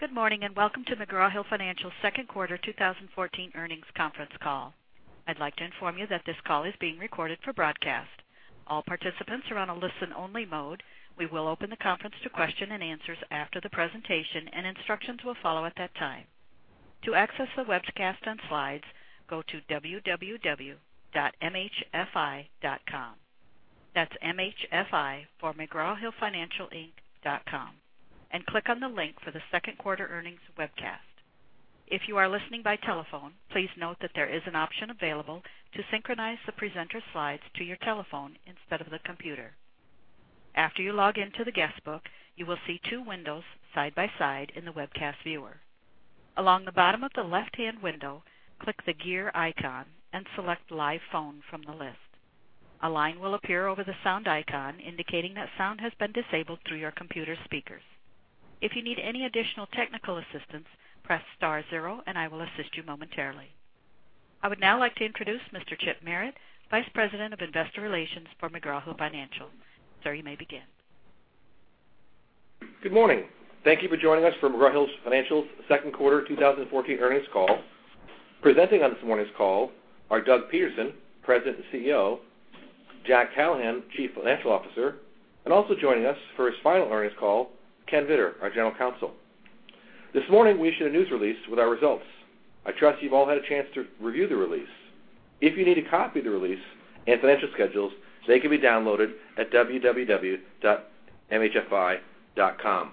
Good morning. Welcome to McGraw Hill Financial's second quarter 2014 earnings conference call. I'd like to inform you that this call is being recorded for broadcast. All participants are on a listen-only mode. We will open the conference to questions and answers after the presentation, and instructions will follow at that time. To access the webcast and slides, go to www.mhfi.com. That's M-H-F-I for mcgrawhillfinancial.com and click on the link for the second quarter earnings webcast. If you are listening by telephone, please note that there is an option available to synchronize the presenter slides to your telephone instead of the computer. After you log in to the guest book, you will see two windows side by side in the webcast viewer. Along the bottom of the left-hand window, click the gear icon and select Live Phone from the list. A line will appear over the sound icon, indicating that sound has been disabled through your computer speakers. If you need any additional technical assistance, press star zero and I will assist you momentarily. I would now like to introduce Mr. Chip Merritt, Vice President of Investor Relations for McGraw Hill Financial. Sir, you may begin. Good morning. Thank you for joining us for McGraw Hill Financial's second quarter 2014 earnings call. Presenting on this morning's call are Doug Peterson, President and CEO, Jack Callahan, Chief Financial Officer, and also joining us for his final earnings call, Ken Vittor, our General Counsel. This morning, we issued a news release with our results. I trust you've all had a chance to review the release. If you need a copy of the release and financial schedules, they can be downloaded at www.mhfi.com.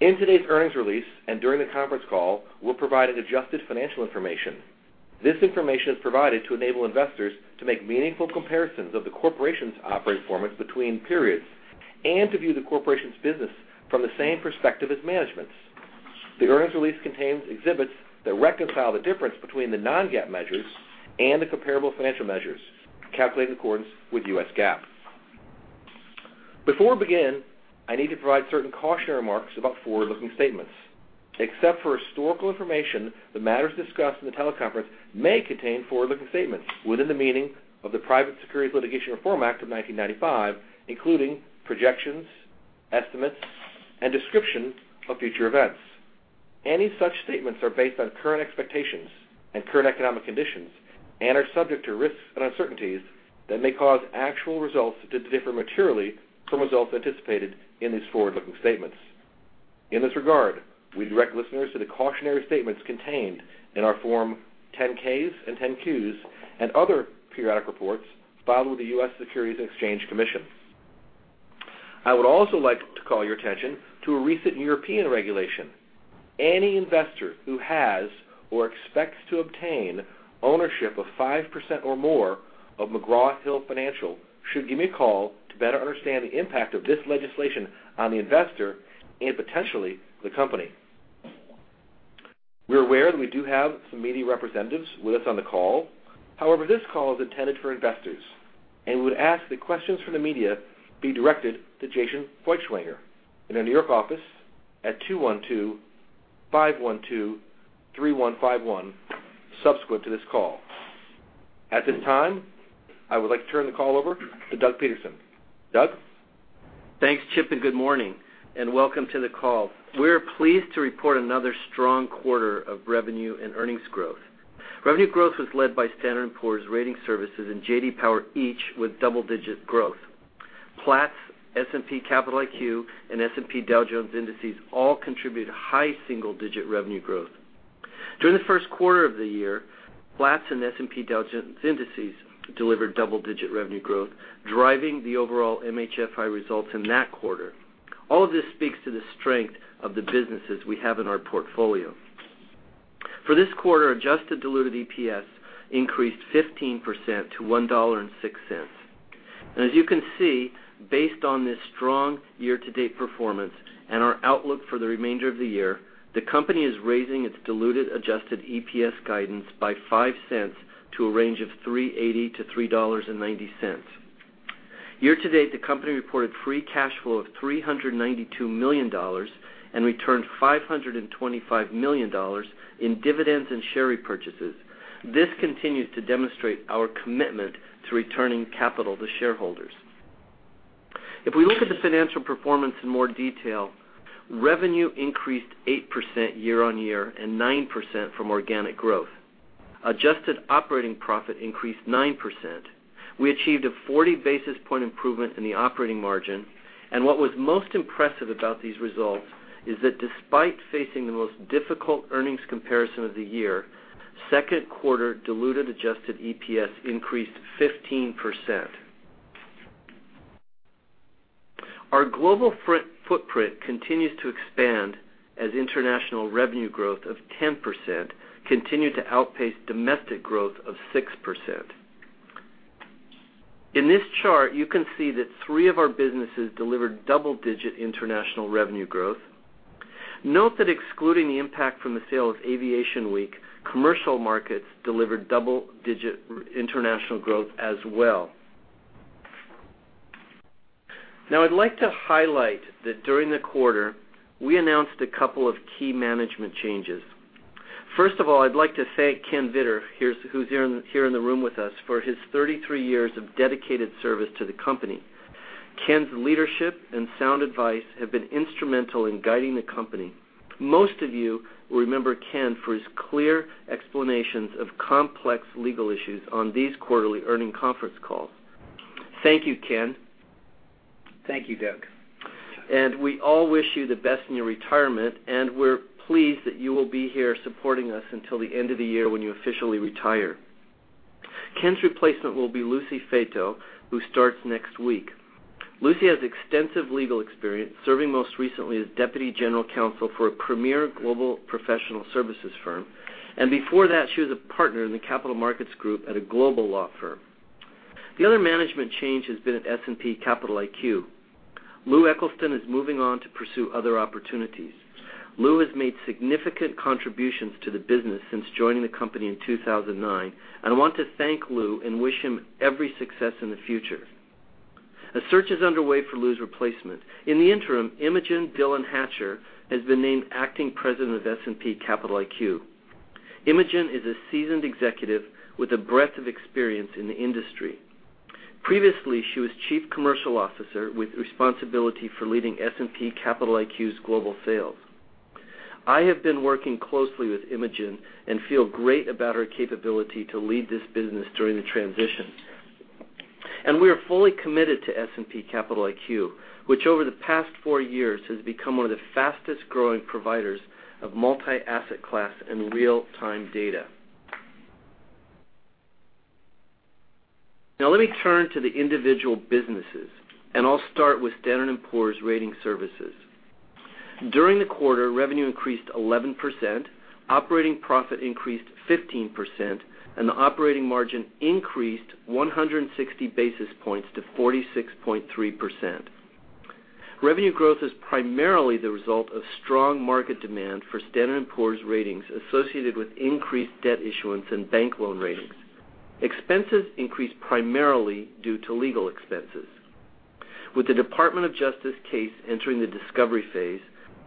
In today's earnings release and during the conference call, we'll provide an adjusted financial information. This information is provided to enable investors to make meaningful comparisons of the corporation's operating performance between periods and to view the corporation's business from the same perspective as management's. The earnings release contains exhibits that reconcile the difference between the non-GAAP measures and the comparable financial measures calculated in accordance with U.S. GAAP. Before we begin, I need to provide certain cautionary remarks about forward-looking statements. Except for historical information, the matters discussed in the teleconference may contain forward-looking statements within the meaning of the Private Securities Litigation Reform Act of 1995, including projections, estimates, and descriptions of future events. Any such statements are based on current expectations and current economic conditions and are subject to risks and uncertainties that may cause actual results to differ materially from results anticipated in these forward-looking statements. In this regard, we direct listeners to the cautionary statements contained in our Form 10-Ks and 10-Qs and other periodic reports filed with the U.S. Securities and Exchange Commission. I would also like to call your attention to a recent European regulation. Any investor who has or expects to obtain ownership of 5% or more of McGraw Hill Financial should give me a call to better understand the impact of this legislation on the investor and potentially the company. We're aware that we do have some media representatives with us on the call. However, this call is intended for investors, and we would ask that questions from the media be directed to Jason Feuchtwanger in our New York office at 212-512-3151 subsequent to this call. At this time, I would like to turn the call over to Doug Peterson. Doug? Thanks, Chip. Good morning. Welcome to the call. We are pleased to report another strong quarter of revenue and earnings growth. Revenue growth was led by Standard & Poor's Ratings Services and J.D. Power, each with double-digit growth. Platts, S&P Capital IQ, and S&P Dow Jones Indices all contributed high single-digit revenue growth. During the first quarter of the year, Platts and S&P Dow Jones Indices delivered double-digit revenue growth, driving the overall MHFI results in that quarter. All of this speaks to the strength of the businesses we have in our portfolio. For this quarter, adjusted diluted EPS increased 15% to $1.06. As you can see, based on this strong year-to-date performance and our outlook for the remainder of the year, the company is raising its diluted adjusted EPS guidance by $0.05 to a range of $3.80 to $3.90. Year to date, the company reported free cash flow of $392 million and returned $525 million in dividends and share repurchases. This continues to demonstrate our commitment to returning capital to shareholders. If we look at the financial performance in more detail, revenue increased 8% year-over-year and 9% from organic growth. Adjusted operating profit increased 9%. We achieved a 40-basis-point improvement in the operating margin. What was most impressive about these results is that despite facing the most difficult earnings comparison of the year, second quarter diluted adjusted EPS increased 15%. Our global footprint continues to expand as international revenue growth of 10% continued to outpace domestic growth of 6%. In this chart, you can see that three of our businesses delivered double-digit international revenue growth. Note that excluding the impact from the sale of Aviation Week, commercial markets delivered double-digit international growth as well. I'd like to highlight that during the quarter, we announced a couple of key management changes. First of all, I'd like to thank Ken Vittor, who's here in the room with us, for his 33 years of dedicated service to the company. Ken's leadership and sound advice have been instrumental in guiding the company. Most of you will remember Ken for his clear explanations of complex legal issues on these quarterly earning conference calls. Thank you, Ken. Thank you, Doug. We all wish you the best in your retirement, and we're pleased that you will be here supporting us until the end of the year when you officially retire. Ken's replacement will be Lucy Fato, who starts next week. Lucy has extensive legal experience, serving most recently as Deputy General Counsel for a premier global professional services firm. Before that, she was a partner in the capital markets group at a global law firm. The other management change has been at S&P Capital IQ. Lou Eccleston is moving on to pursue other opportunities. Lou has made significant contributions to the business since joining the company in 2009, I want to thank Lou and wish him every success in the future. A search is underway for Lou's replacement. In the interim, Imogen Dillon Hatcher has been named acting president of S&P Capital IQ. Imogen is a seasoned executive with a breadth of experience in the industry. Previously, she was Chief Commercial Officer with responsibility for leading S&P Capital IQ's global sales. I have been working closely with Imogen and feel great about her capability to lead this business during the transition. We are fully committed to S&P Capital IQ, which over the past four years has become one of the fastest-growing providers of multi-asset class and real-time data. Let me turn to the individual businesses, I'll start with Standard & Poor's Ratings Services. During the quarter, revenue increased 11%, operating profit increased 15%, and the operating margin increased 160 basis points to 46.3%. Revenue growth is primarily the result of strong market demand for Standard & Poor's ratings associated with increased debt issuance and bank loan ratings. Expenses increased primarily due to legal expenses. With the Department of Justice case entering the discovery phase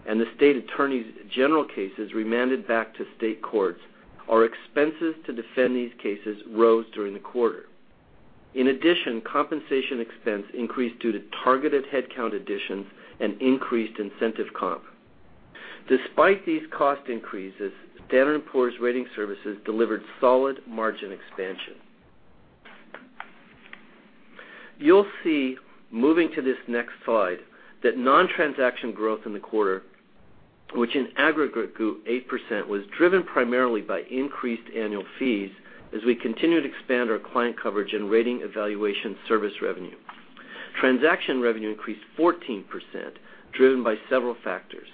and the state attorneys' general cases remanded back to state courts, our expenses to defend these cases rose during the quarter. In addition, compensation expense increased due to targeted headcount additions and increased incentive comp. Despite these cost increases, Standard & Poor's Ratings Services delivered solid margin expansion. You'll see, moving to this next slide, that non-transaction growth in the quarter, which in aggregate grew 8%, was driven primarily by increased annual fees as we continue to expand our client coverage and rating evaluation service revenue. Transaction revenue increased 14%, driven by several factors.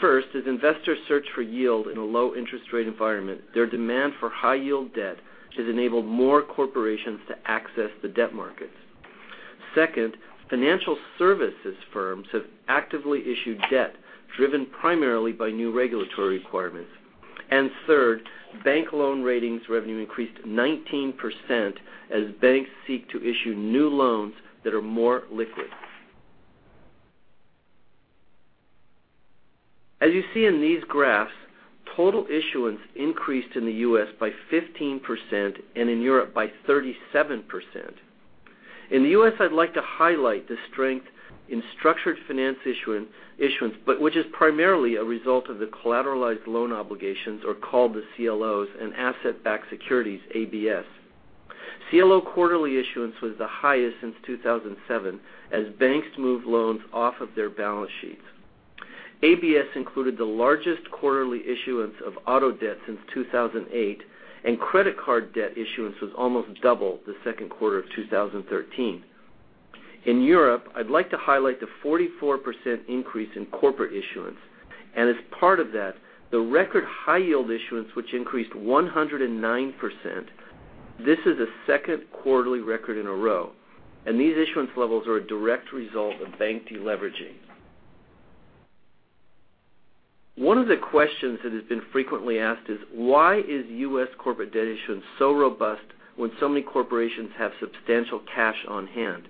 First, as investors search for yield in a low interest rate environment, their demand for high-yield debt has enabled more corporations to access the debt markets. Second, financial services firms have actively issued debt, driven primarily by new regulatory requirements. Third, bank loan ratings revenue increased 19% as banks seek to issue new loans that are more liquid. As you see in these graphs, total issuance increased in the U.S. by 15% and in Europe by 37%. In the U.S., I'd like to highlight the strength in structured finance issuance, which is primarily a result of the collateralized loan obligations, or called the CLOs, and asset-backed securities, ABS. CLO quarterly issuance was the highest since 2007 as banks moved loans off of their balance sheets. ABS included the largest quarterly issuance of auto debt since 2008, and credit card debt issuance was almost double the second quarter of 2013. In Europe, I'd like to highlight the 44% increase in corporate issuance. As part of that, the record high-yield issuance, which increased 109%. This is the second quarterly record in a row, these issuance levels are a direct result of bank deleveraging. One of the questions that has been frequently asked is why is U.S. corporate debt issuance so robust when so many corporations have substantial cash on hand?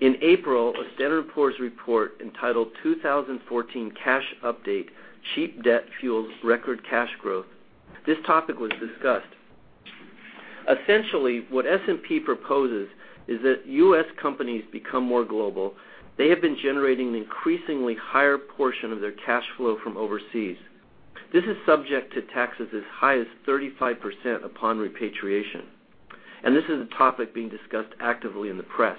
In April, a Standard & Poor's report entitled "2014 Cash Update: Cheap Debt Fuels Record Cash Growth," this topic was discussed. Essentially, what S&P proposes is that U.S. companies become more global. They have been generating an increasingly higher portion of their cash flow from overseas. This is subject to taxes as high as 35% upon repatriation. This is a topic being discussed actively in the press.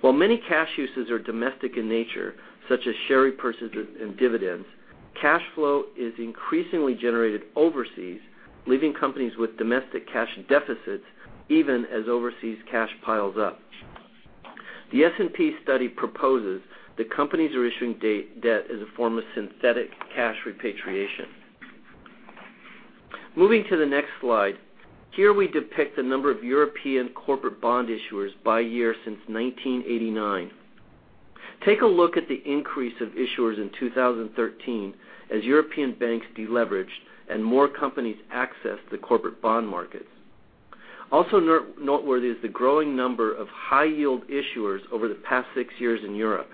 While many cash uses are domestic in nature, such as share repurchases and dividends, cash flow is increasingly generated overseas, leaving companies with domestic cash deficits, even as overseas cash piles up. The S&P study proposes that companies are issuing debt as a form of synthetic cash repatriation. Moving to the next slide. Here we depict the number of European corporate bond issuers by year since 1989. Take a look at the increase of issuers in 2013 as European banks deleveraged and more companies accessed the corporate bond markets. Also noteworthy is the growing number of high-yield issuers over the past six years in Europe.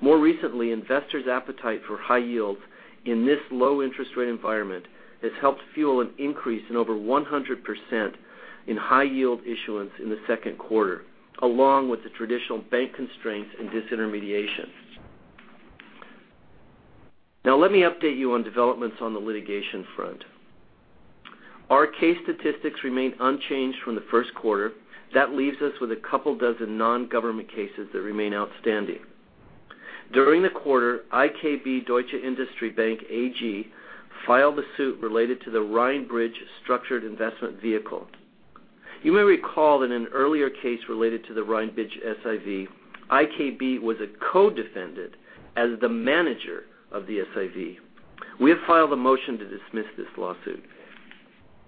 More recently, investors' appetite for high yields in this low interest rate environment has helped fuel an increase in over 100% in high-yield issuance in the second quarter, along with the traditional bank constraints and disintermediation. Let me update you on developments on the litigation front. Our case statistics remain unchanged from the first quarter. That leaves us with a couple dozen non-government cases that remain outstanding. During the quarter, IKB Deutsche Industriebank AG filed a suit related to the Rheinbridge structured investment vehicle. You may recall in an earlier case related to the Rheinbridge SIV, IKB was a co-defendant as the manager of the SIV. We have filed a motion to dismiss this lawsuit.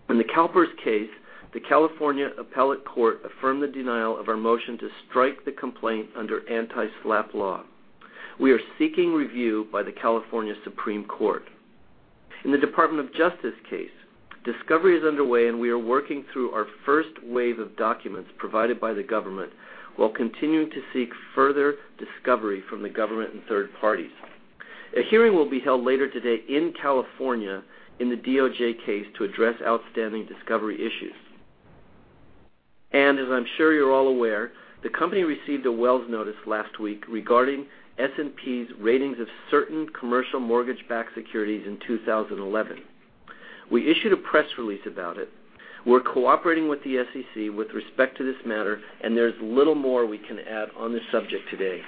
In the CalPERS case, the California appellate court affirmed the denial of our motion to strike the complaint under anti-SLAPP law. We are seeking review by the California Supreme Court. In the Department of Justice case, discovery is underway, and we are working through our first wave of documents provided by the government while continuing to seek further discovery from the government and third parties. A hearing will be held later today in California in the DOJ case to address outstanding discovery issues. As I'm sure you're all aware, the company received a Wells notice last week regarding S&P's ratings of certain commercial mortgage-backed securities in 2011. We issued a press release about it. We're cooperating with the SEC with respect to this matter, there's little more we can add on this subject today.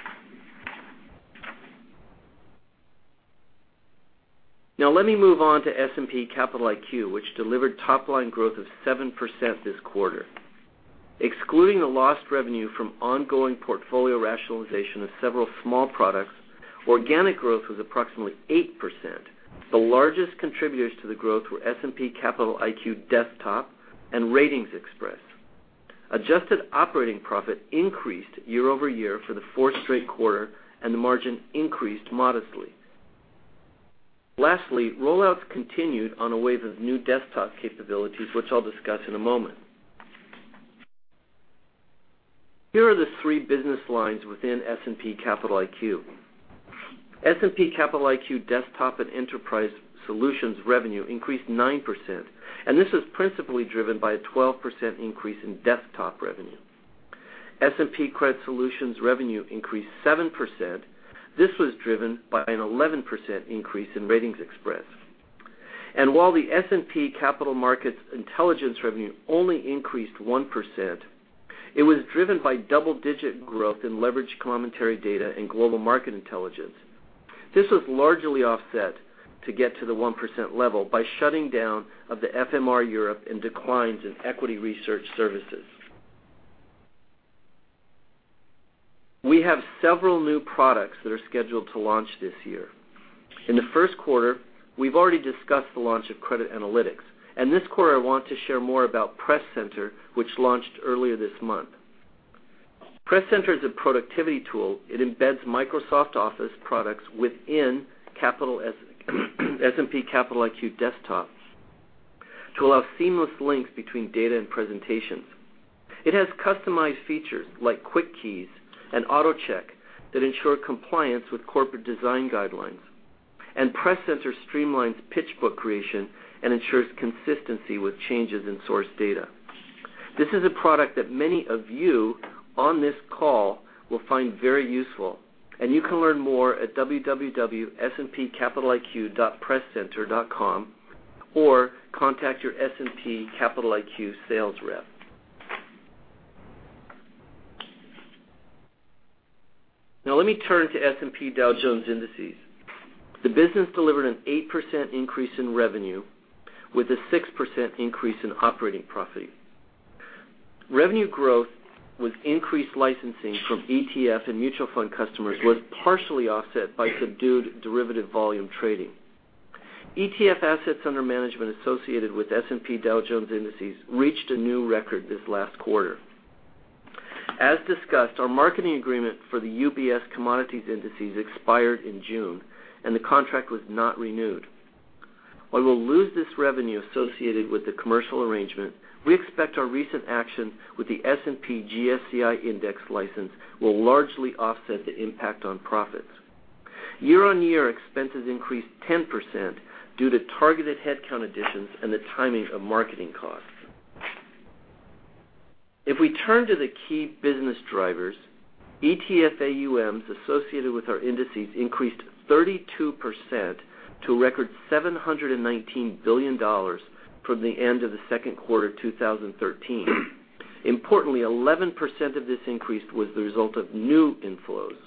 Let me move on to S&P Capital IQ, which delivered top-line growth of 7% this quarter. Excluding the lost revenue from ongoing portfolio rationalization of several small products, organic growth was approximately 8%. The largest contributors to the growth were S&P Capital IQ Desktop and RatingsXpress. Adjusted operating profit increased year-over-year for the fourth straight quarter, and the margin increased modestly. Lastly, rollouts continued on a wave of new desktop capabilities, which I'll discuss in a moment. Here are the three business lines within S&P Capital IQ. S&P Capital IQ Desktop and Enterprise Solutions revenue increased 9%. This was principally driven by a 12% increase in Desktop revenue. S&P Credit Solutions revenue increased 7%. This was driven by an 11% increase in RatingsXpress. While the S&P Capital Markets Intelligence revenue only increased 1%, it was driven by double-digit growth in Leveraged Commentary & Data and S&P Global Market Intelligence. This was largely offset to get to the 1% level by shutting down of the FMR Europe and declines in equity research services. We have several new products that are scheduled to launch this year. In the first quarter, we've already discussed the launch of Credit Analytics, and this quarter I want to share more about PresCenter, which launched earlier this month. PresCenter is a productivity tool. It embeds Microsoft Office products within S&P Capital IQ Desktop to allow seamless links between data and presentations. It has customized features like quick keys and auto check that ensure compliance with corporate design guidelines. PresCenter streamlines pitch book creation and ensures consistency with changes in source data. This is a product that many of you on this call will find very useful, and you can learn more at www.spcapitaliq.prescenter.com or contact your S&P Capital IQ sales rep. Let me turn to S&P Dow Jones Indices. The business delivered an 8% increase in revenue with a 6% increase in operating profit. Revenue growth with increased licensing from ETF and mutual fund customers was partially offset by subdued derivative volume trading. ETF assets under management associated with S&P Dow Jones Indices reached a new record this last quarter. As discussed, our marketing agreement for the UBS commodities indices expired in June, and the contract was not renewed. While we'll lose this revenue associated with the commercial arrangement, we expect our recent action with the S&P GSCI index license will largely offset the impact on profits. Year-on-year, expenses increased 10% due to targeted headcount additions and the timing of marketing costs. If we turn to the key business drivers, ETF AUMs associated with our indices increased 32% to a record $719 billion from the end of the second quarter 2013. Importantly, 11% of this increase was the result of new inflows.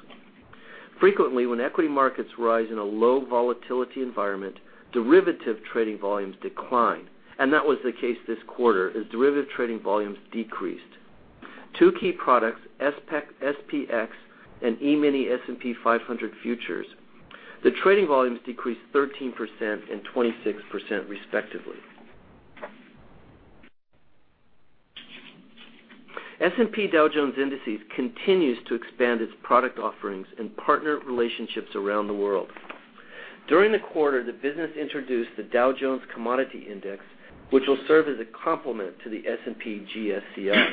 Frequently, when equity markets rise in a low volatility environment, derivative trading volumes decline, that was the case this quarter as derivative trading volumes decreased. Two key products, SPX and E-mini S&P 500 futures. The trading volumes decreased 13% and 26% respectively. S&P Dow Jones Indices continues to expand its product offerings and partner relationships around the world. During the quarter, the business introduced the Dow Jones Commodity Index, which will serve as a complement to the S&P GSCI.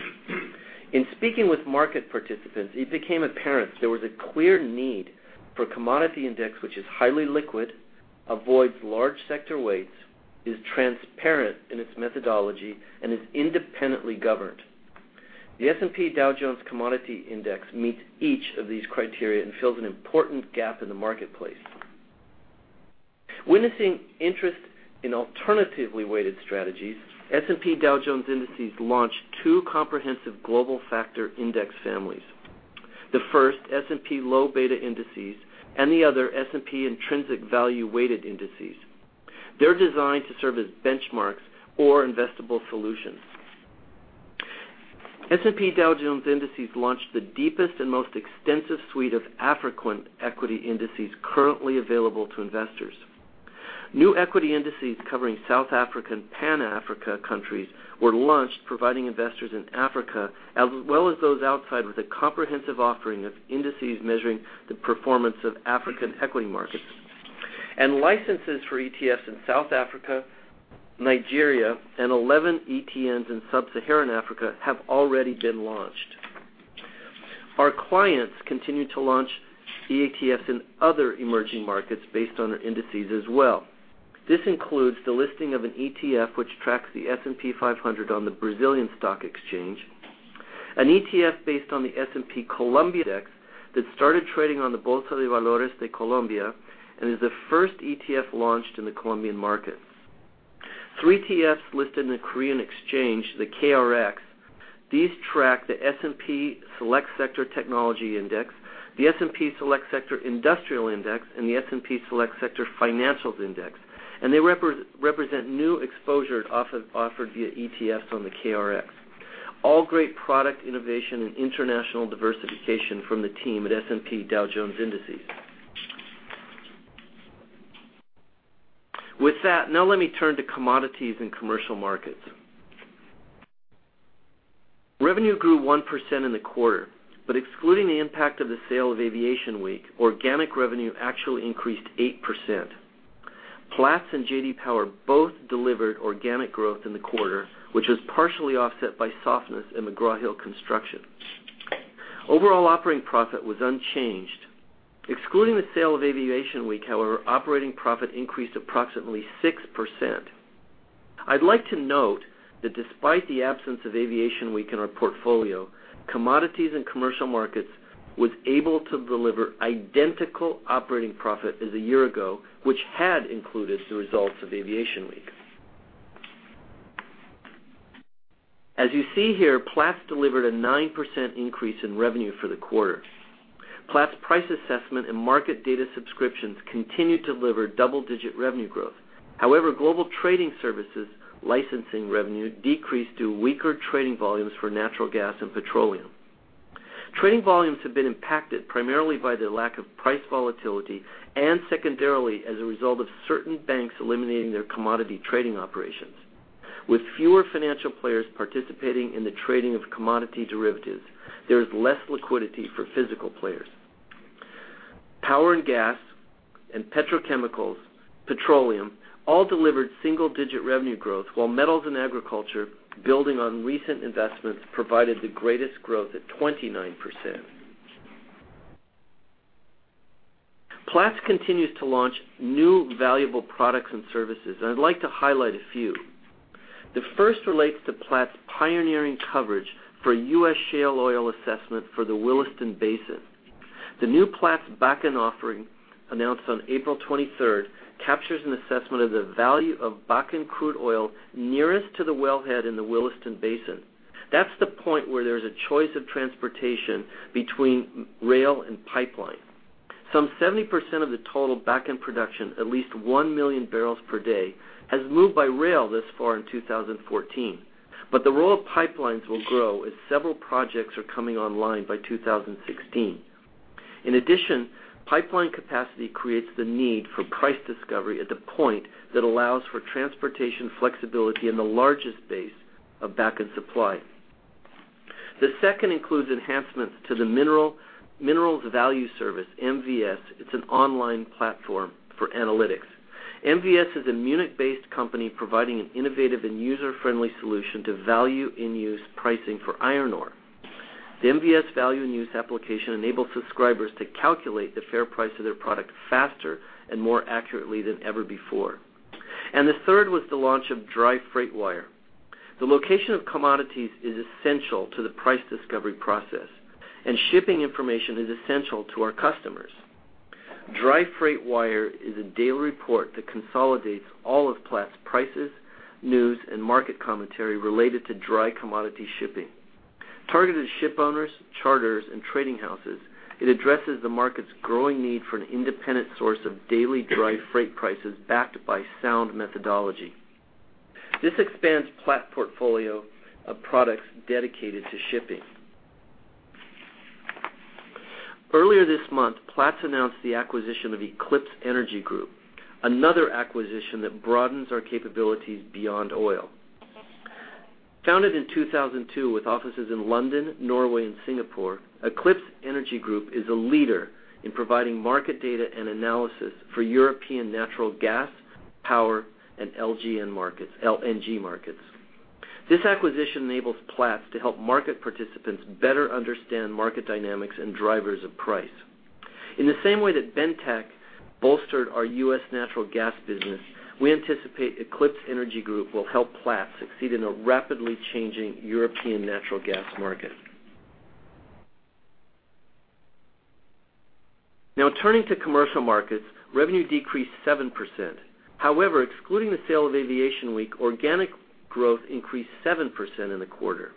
In speaking with market participants, it became apparent there was a clear need for a commodity index which is highly liquid, avoids large sector weights, is transparent in its methodology, and is independently governed. The S&P Dow Jones Commodity Index meets each of these criteria and fills an important gap in the marketplace. Witnessing interest in alternatively weighted strategies, S&P Dow Jones Indices launched two comprehensive global factor index families. The first, S&P Low Beta Indices, and the other, S&P Intrinsic Value-Weighted Indices. They're designed to serve as benchmarks or investable solutions. S&P Dow Jones Indices launched the deepest and most extensive suite of African equity indices currently available to investors. New equity indices covering South African Pan-Africa countries were launched, providing investors in Africa, as well as those outside, with a comprehensive offering of indices measuring the performance of African equity markets. Licenses for ETFs in South Africa, Nigeria, and 11 ETNs in Sub-Saharan Africa have already been launched. Our clients continue to launch ETFs in other emerging markets based on their indices as well. This includes the listing of an ETF which tracks the S&P 500 on the Brazilian Stock Exchange, an ETF based on the S&P Colombia Index that started trading on the Bolsa de Valores de Colombia, and is the first ETF launched in the Colombian market. Three ETFs listed in the Korea Exchange, the KRX. These track the S&P Select Sector Technology Index, the S&P Select Sector Industrial Index, and the S&P Select Sector Financials Index. They represent new exposure offered via ETFs on the KRX. All great product innovation and international diversification from the team at S&P Dow Jones Indices. With that, now let me turn to commodities and commercial markets. Revenue grew 1% in the quarter, but excluding the impact of the sale of Aviation Week, organic revenue actually increased 8%. Platts and J.D. Power both delivered organic growth in the quarter, which was partially offset by softness in McGraw Hill Construction. Overall operating profit was unchanged. Excluding the sale of Aviation Week, however, operating profit increased approximately 6%. I'd like to note that despite the absence of Aviation Week in our portfolio, commodities and commercial markets was able to deliver identical operating profit as a year ago, which had included the results of Aviation Week. As you see here, Platts delivered a 9% increase in revenue for the quarter. Platts price assessment and market data subscriptions continued to deliver double-digit revenue growth. However, global trading services licensing revenue decreased due weaker trading volumes for natural gas and petroleum. Trading volumes have been impacted primarily by the lack of price volatility, and secondarily, as a result of certain banks eliminating their commodity trading operations. With fewer financial players participating in the trading of commodity derivatives, there is less liquidity for physical players. Power and gas and petrochemicals, petroleum all delivered single digit revenue growth, while metals and agriculture, building on recent investments, provided the greatest growth at 29%. Platts continues to launch new valuable products and services, and I'd like to highlight a few. The first relates to Platts' pioneering coverage for U.S. shale oil assessment for the Williston Basin. The new Platts Bakken offering, announced on April 23rd, captures an assessment of the value of Bakken crude oil nearest to the wellhead in the Williston Basin. That's the point where there's a choice of transportation between rail and pipeline. Some 70% of the total Bakken production, at least 1 million barrels per day, has moved by rail thus far in 2014. The role of pipelines will grow as several projects are coming online by 2016. In addition, pipeline capacity creates the need for price discovery at the point that allows for transportation flexibility in the largest base of Bakken supply. The second includes enhancements to the Minerals Value Service, MVS. It's an online platform for analytics. MVS is a Munich-based company providing an innovative and user-friendly solution to value in use pricing for iron ore. The MVS value and use application enables subscribers to calculate the fair price of their product faster and more accurately than ever before. The third was the launch of Dry Freight Wire. The location of commodities is essential to the price discovery process, and shipping information is essential to our customers. Dry Freight Wire is a daily report that consolidates all of Platts prices, news, and market commentary related to dry commodity shipping. Targeted ship owners, charters, and trading houses, it addresses the market's growing need for an independent source of daily dry freight prices backed by sound methodology. This expands Platts portfolio of products dedicated to shipping. Earlier this month, Platts announced the acquisition of Eclipse Energy Group, another acquisition that broadens our capabilities beyond oil. Founded in 2002 with offices in London, Norway, and Singapore, Eclipse Energy Group is a leader in providing market data and analysis for European natural gas, power, and LNG markets. This acquisition enables Platts to help market participants better understand market dynamics and drivers of price. In the same way that Bentek bolstered our U.S. natural gas business, we anticipate Eclipse Energy Group will help Platts succeed in a rapidly changing European natural gas market. Now turning to commercial markets, revenue decreased 7%. However, excluding the sale of Aviation Week, organic growth increased 7% in the quarter.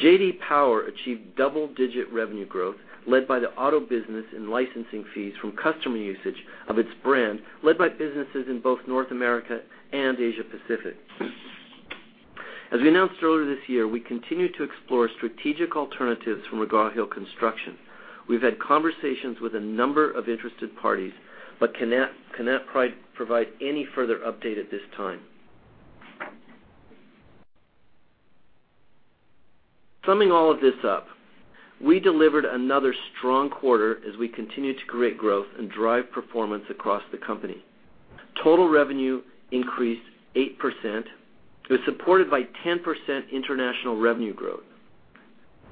J.D. Power achieved double-digit revenue growth led by the auto business and licensing fees from customer usage of its brand, led by businesses in both North America and Asia Pacific. As we announced earlier this year, we continue to explore strategic alternatives from McGraw Hill Construction. We've had conversations with a number of interested parties, cannot provide any further update at this time. Summing all of this up, we delivered another strong quarter as we continue to create growth and drive performance across the company. Total revenue increased 8%, it was supported by 10% international revenue growth.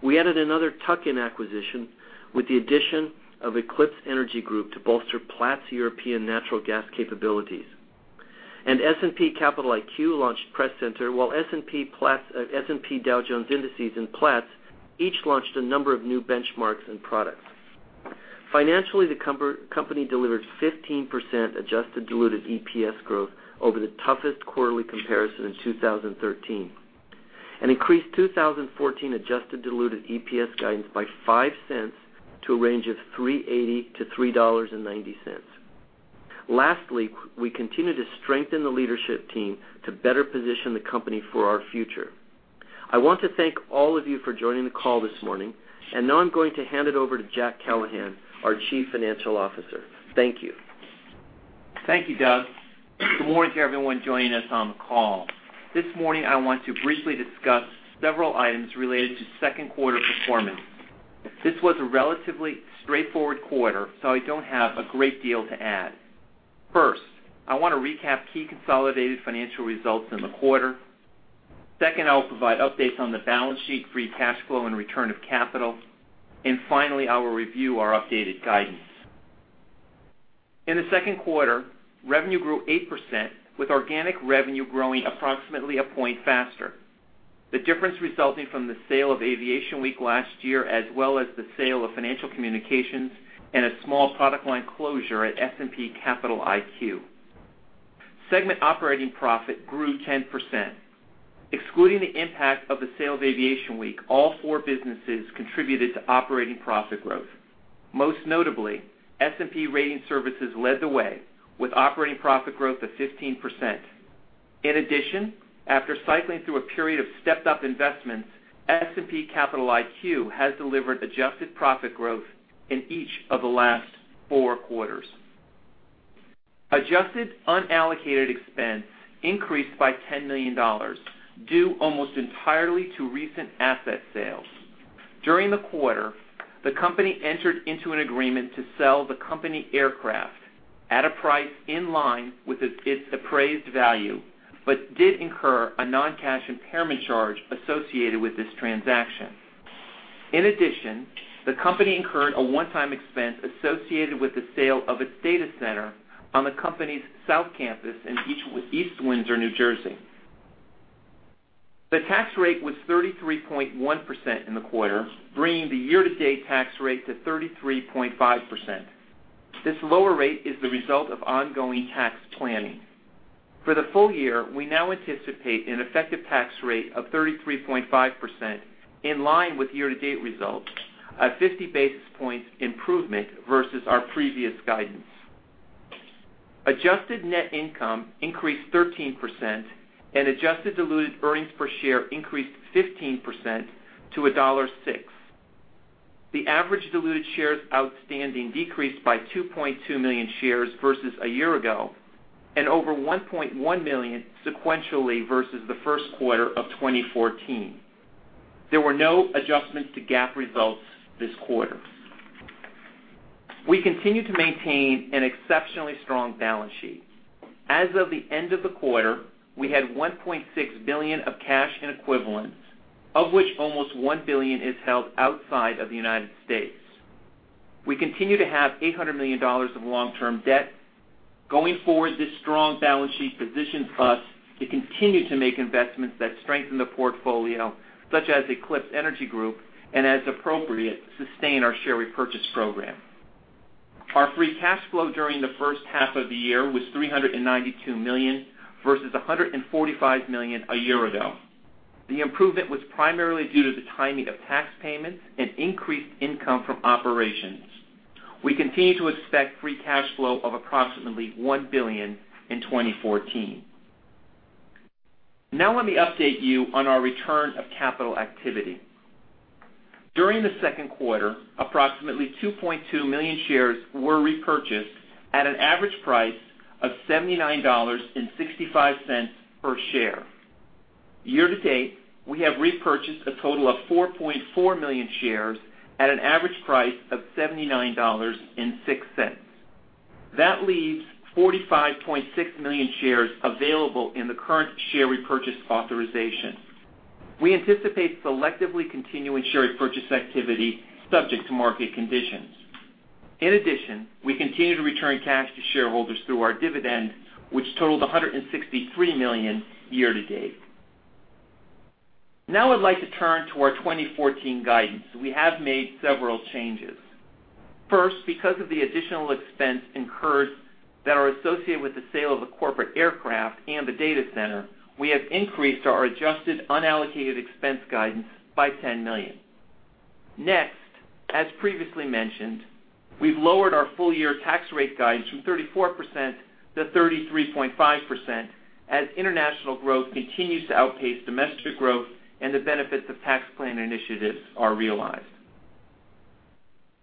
We added another tuck-in acquisition with the addition of Eclipse Energy Group to bolster Platts' European natural gas capabilities. S&P Capital IQ launched PresCenter, while S&P Dow Jones Indices and Platts each launched a number of new benchmarks and products. Financially, the company delivered 15% adjusted diluted EPS growth over the toughest quarterly comparison in 2013, and increased 2014 adjusted diluted EPS guidance by $0.05 to a range of $3.80-$3.90. Lastly, we continue to strengthen the leadership team to better position the company for our future. I want to thank all of you for joining the call this morning. Now I'm going to hand it over to Jack Callahan, our Chief Financial Officer. Thank you. Thank you, Doug. Good morning to everyone joining us on the call. This morning, I want to briefly discuss several items related to second quarter performance. This was a relatively straightforward quarter, so I don't have a great deal to add. First, I want to recap key consolidated financial results in the quarter. Second, I'll provide updates on the balance sheet, free cash flow, and return of capital. Finally, I will review our updated guidance. In the second quarter, revenue grew 8%, with organic revenue growing approximately a point faster. The difference resulting from the sale of Aviation Week last year, as well as the sale of Financial Communications and a small product line closure at S&P Capital IQ. Segment operating profit grew 10%. Excluding the impact of the sale of Aviation Week, all four businesses contributed to operating profit growth. Most notably, S&P Ratings Services led the way with operating profit growth of 15%. In addition, after cycling through a period of stepped-up investments, S&P Capital IQ has delivered adjusted profit growth in each of the last four quarters. Adjusted unallocated expense increased by $10 million, due almost entirely to recent asset sales. During the quarter, the company entered into an agreement to sell the company aircraft at a price in line with its appraised value, but did incur a non-cash impairment charge associated with this transaction. In addition, the company incurred a one-time expense associated with the sale of its data center on the company's south campus in East Windsor, New Jersey. The tax rate was 33.1% in the quarter, bringing the year-to-date tax rate to 33.5%. This lower rate is the result of ongoing tax planning. For the full year, we now anticipate an effective tax rate of 33.5%, in line with year-to-date results, a 50 basis points improvement versus our previous guidance. Adjusted net income increased 13%, and adjusted diluted earnings per share increased 15% to $1.06. The average diluted shares outstanding decreased by 2.2 million shares versus a year ago, and over 1.1 million sequentially versus the first quarter of 2014. There were no adjustments to GAAP results this quarter. We continue to maintain an exceptionally strong balance sheet. As of the end of the quarter, we had $1.6 billion of cash and equivalents, of which almost $1 billion is held outside of the United States. We continue to have $800 million of long-term debt. Going forward, this strong balance sheet positions us to continue to make investments that strengthen the portfolio, such as Eclipse Energy Group, and as appropriate, sustain our share repurchase program. Our free cash flow during the first half of the year was $392 million, versus $145 million a year ago. The improvement was primarily due to the timing of tax payments and increased income from operations. We continue to expect free cash flow of approximately $1 billion in 2014. Now let me update you on our return of capital activity. During the second quarter, approximately 2.2 million shares were repurchased at an average price of $79.65 per share. Year to date, we have repurchased a total of 4.4 million shares at an average price of $79.06. That leaves 45.6 million shares available in the current share repurchase authorization. We anticipate selectively continuing share purchase activity subject to market conditions. We continue to return cash to shareholders through our dividend, which totaled $163 million year to date. Now I'd like to turn to our 2014 guidance. We have made several changes. First, because of the additional expense incurred that are associated with the sale of a corporate aircraft and the data center, we have increased our adjusted unallocated expense guidance by $10 million. Next, as previously mentioned, we've lowered our full year tax rate guidance from 34% to 33.5% as international growth continues to outpace domestic growth and the benefits of tax plan initiatives are realized.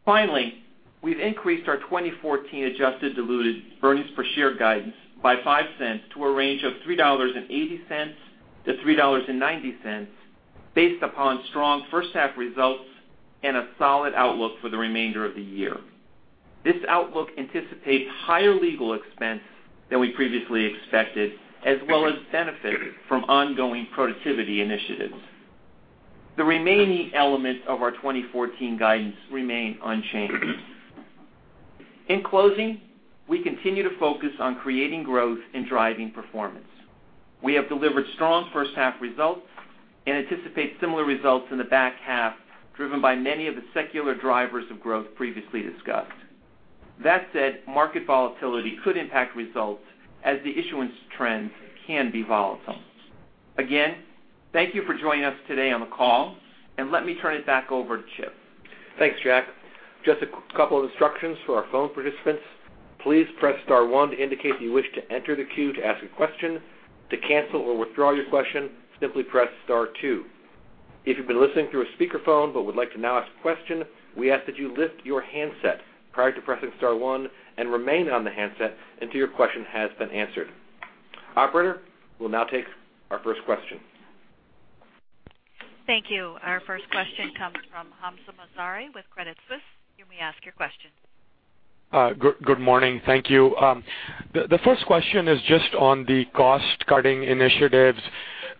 Finally, we've increased our 2014 adjusted diluted earnings per share guidance by $0.05 to a range of $3.80-$3.90 based upon strong first half results and a solid outlook for the remainder of the year. This outlook anticipates higher legal expense than we previously expected, as well as benefit from ongoing productivity initiatives. The remaining elements of our 2014 guidance remain unchanged. We continue to focus on creating growth and driving performance. We have delivered strong first half results and anticipate similar results in the back half, driven by many of the secular drivers of growth previously discussed. Market volatility could impact results as the issuance trends can be volatile. Thank you for joining us today on the call, and let me turn it back over to Chip. Thanks, Jack. Just a couple of instructions for our phone participants. Please press star one to indicate that you wish to enter the queue to ask a question. To cancel or withdraw your question, simply press star two. If you've been listening through a speakerphone but would like to now ask a question, we ask that you lift your handset prior to pressing star one and remain on the handset until your question has been answered. Operator, we'll now take our first question. Thank you. Our first question comes from Hamzah Mazari with Credit Suisse. You may ask your question. Good morning. Thank you. The first question is just on the cost-cutting initiatives.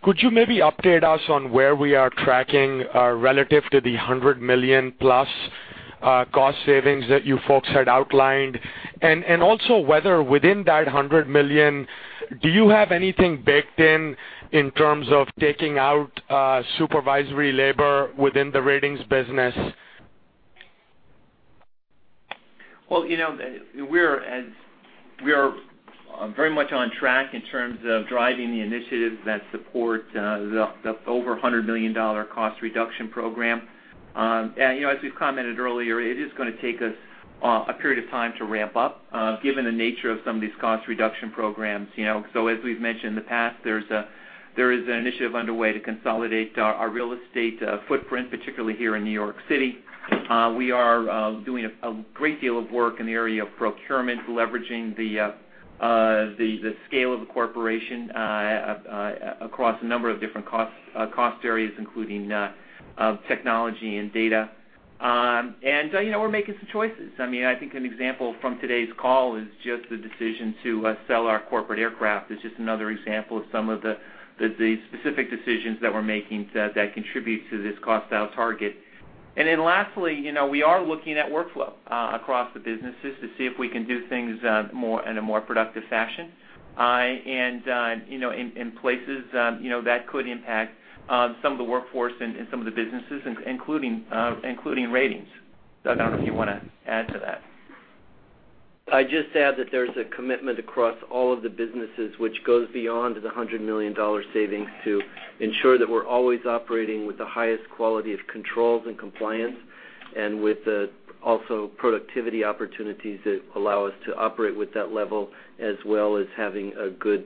Could you maybe update us on where we are tracking relative to the $100 million plus cost savings that you folks had outlined? Also whether within that $100 million, do you have anything baked in terms of taking out supervisory labor within the ratings business? We are very much on track in terms of driving the initiatives that support the over $100 million cost reduction program. As we've commented earlier, it is going to take us a period of time to ramp up given the nature of some of these cost reduction programs. As we've mentioned in the past, there is an initiative underway to consolidate our real estate footprint, particularly here in New York City. We are doing a great deal of work in the area of procurement, leveraging the scale of the corporation across a number of different cost areas, including technology and data. We're making some choices. I think an example from today's call is just the decision to sell our corporate aircraft is just another example of some of the specific decisions that we're making that contribute to this cost style target. Then lastly, we are looking at workflow across the businesses to see if we can do things in a more productive fashion. In places that could impact some of the workforce and some of the businesses, including ratings. I don't know if you want to add to that. I'd just add that there's a commitment across all of the businesses which goes beyond the $100 million savings to ensure that we're always operating with the highest quality of controls and compliance, and with also productivity opportunities that allow us to operate with that level, as well as having a good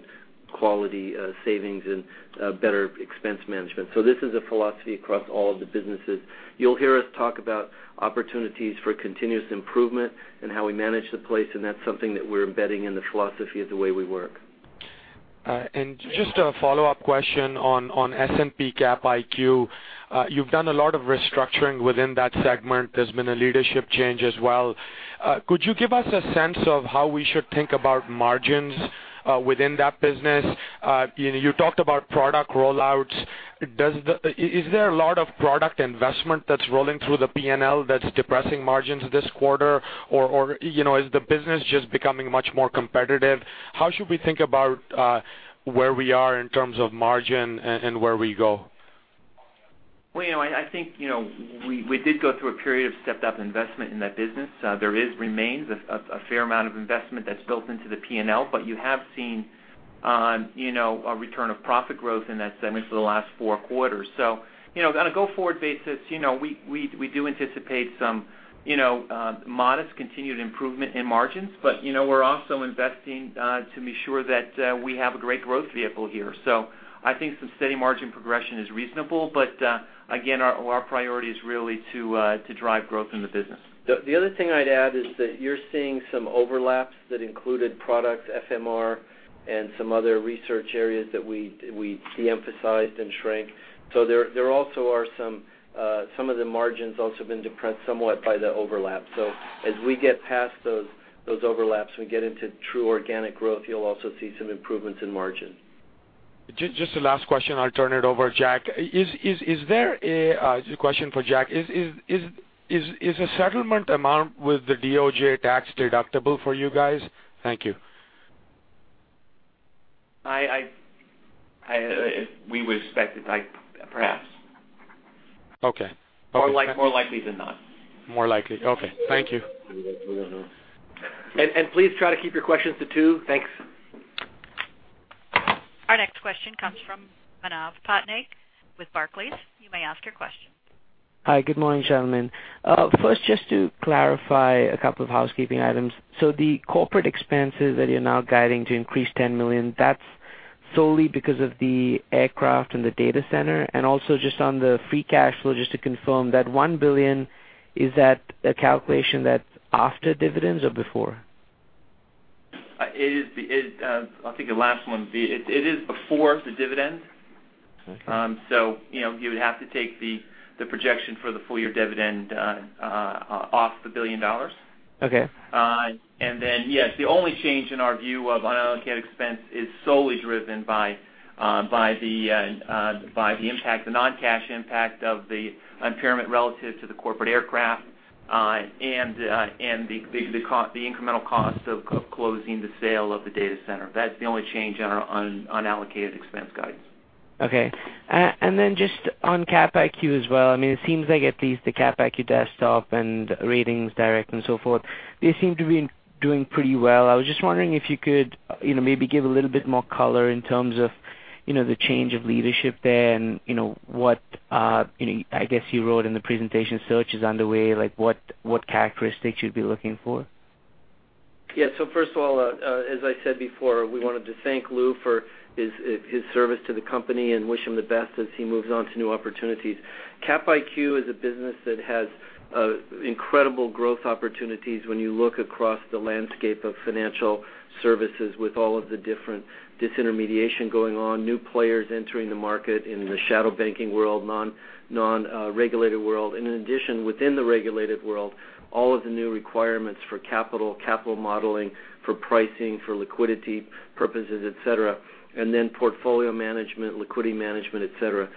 quality savings and better expense management. This is a philosophy across all of the businesses. You'll hear us talk about opportunities for continuous improvement and how we manage the place, that's something that we're embedding in the philosophy of the way we work. Just a follow-up question on S&P Cap IQ. You've done a lot of restructuring within that segment. There's been a leadership change as well. Could you give us a sense of how we should think about margins within that business? You talked about product rollouts. Is there a lot of product investment that's rolling through the P&L that's depressing margins this quarter? Is the business just becoming much more competitive? How should we think about where we are in terms of margin and where we go? Well, I think we did go through a period of stepped-up investment in that business. There remains a fair amount of investment that's built into the P&L, you have seen a return of profit growth in that segment for the last four quarters. On a go-forward basis, we do anticipate some modest continued improvement in margins, we're also investing to make sure that we have a great growth vehicle here. I think some steady margin progression is reasonable, again, our priority is really to drive growth in the business. The other thing I'd add is that you're seeing some overlaps that included product FMR and some other research areas that we de-emphasized and shrank. There also are some of the margins also been depressed somewhat by the overlap. As we get past those overlaps, we get into true organic growth, you'll also see some improvements in margin. Just a last question, I'll turn it over, Jack. This question is for Jack. Is the settlement amount with the DOJ tax-deductible for you guys? Thank you. We would expect it, perhaps. Okay. More likely than not. More likely. Okay. Thank you. Please try to keep your questions to two. Thanks. Our next question comes from Manav Patnaik with Barclays. You may ask your question. Hi. Good morning, gentlemen. First, just to clarify a couple of housekeeping items. The corporate expenses that you're now guiding to increase $10 million, that's solely because of the aircraft and the data center? Also just on the free cash flow, just to confirm, that $1 billion, is that a calculation that's after dividends or before? I'll take the last one. It is before the dividend. Okay. You would have to take the projection for the full-year dividend off the $1 billion. Okay. Yes, the only change in our view of unallocated expense is solely driven by the non-cash impact of the impairment relative to the corporate aircraft, and the incremental cost of closing the sale of the data center. That's the only change on our unallocated expense guidance. Just on Cap IQ as well, it seems like at least the Cap IQ Desktop and RatingsDirect and so forth, they seem to be doing pretty well. I was just wondering if you could maybe give a little bit more color in terms of the change of leadership there and what, I guess you wrote in the presentation, search is underway, like what characteristics you'd be looking for. First of all, as I said before, we wanted to thank Lou for his service to the company and wish him the best as he moves on to new opportunities. Cap IQ is a business that has incredible growth opportunities when you look across the landscape of financial services with all of the different disintermediation going on, new players entering the market in the shadow banking world, non-regulated world. In addition, within the regulated world, all of the new requirements for capital modeling, for pricing, for liquidity purposes, et cetera, and then portfolio management, liquidity management, et cetera.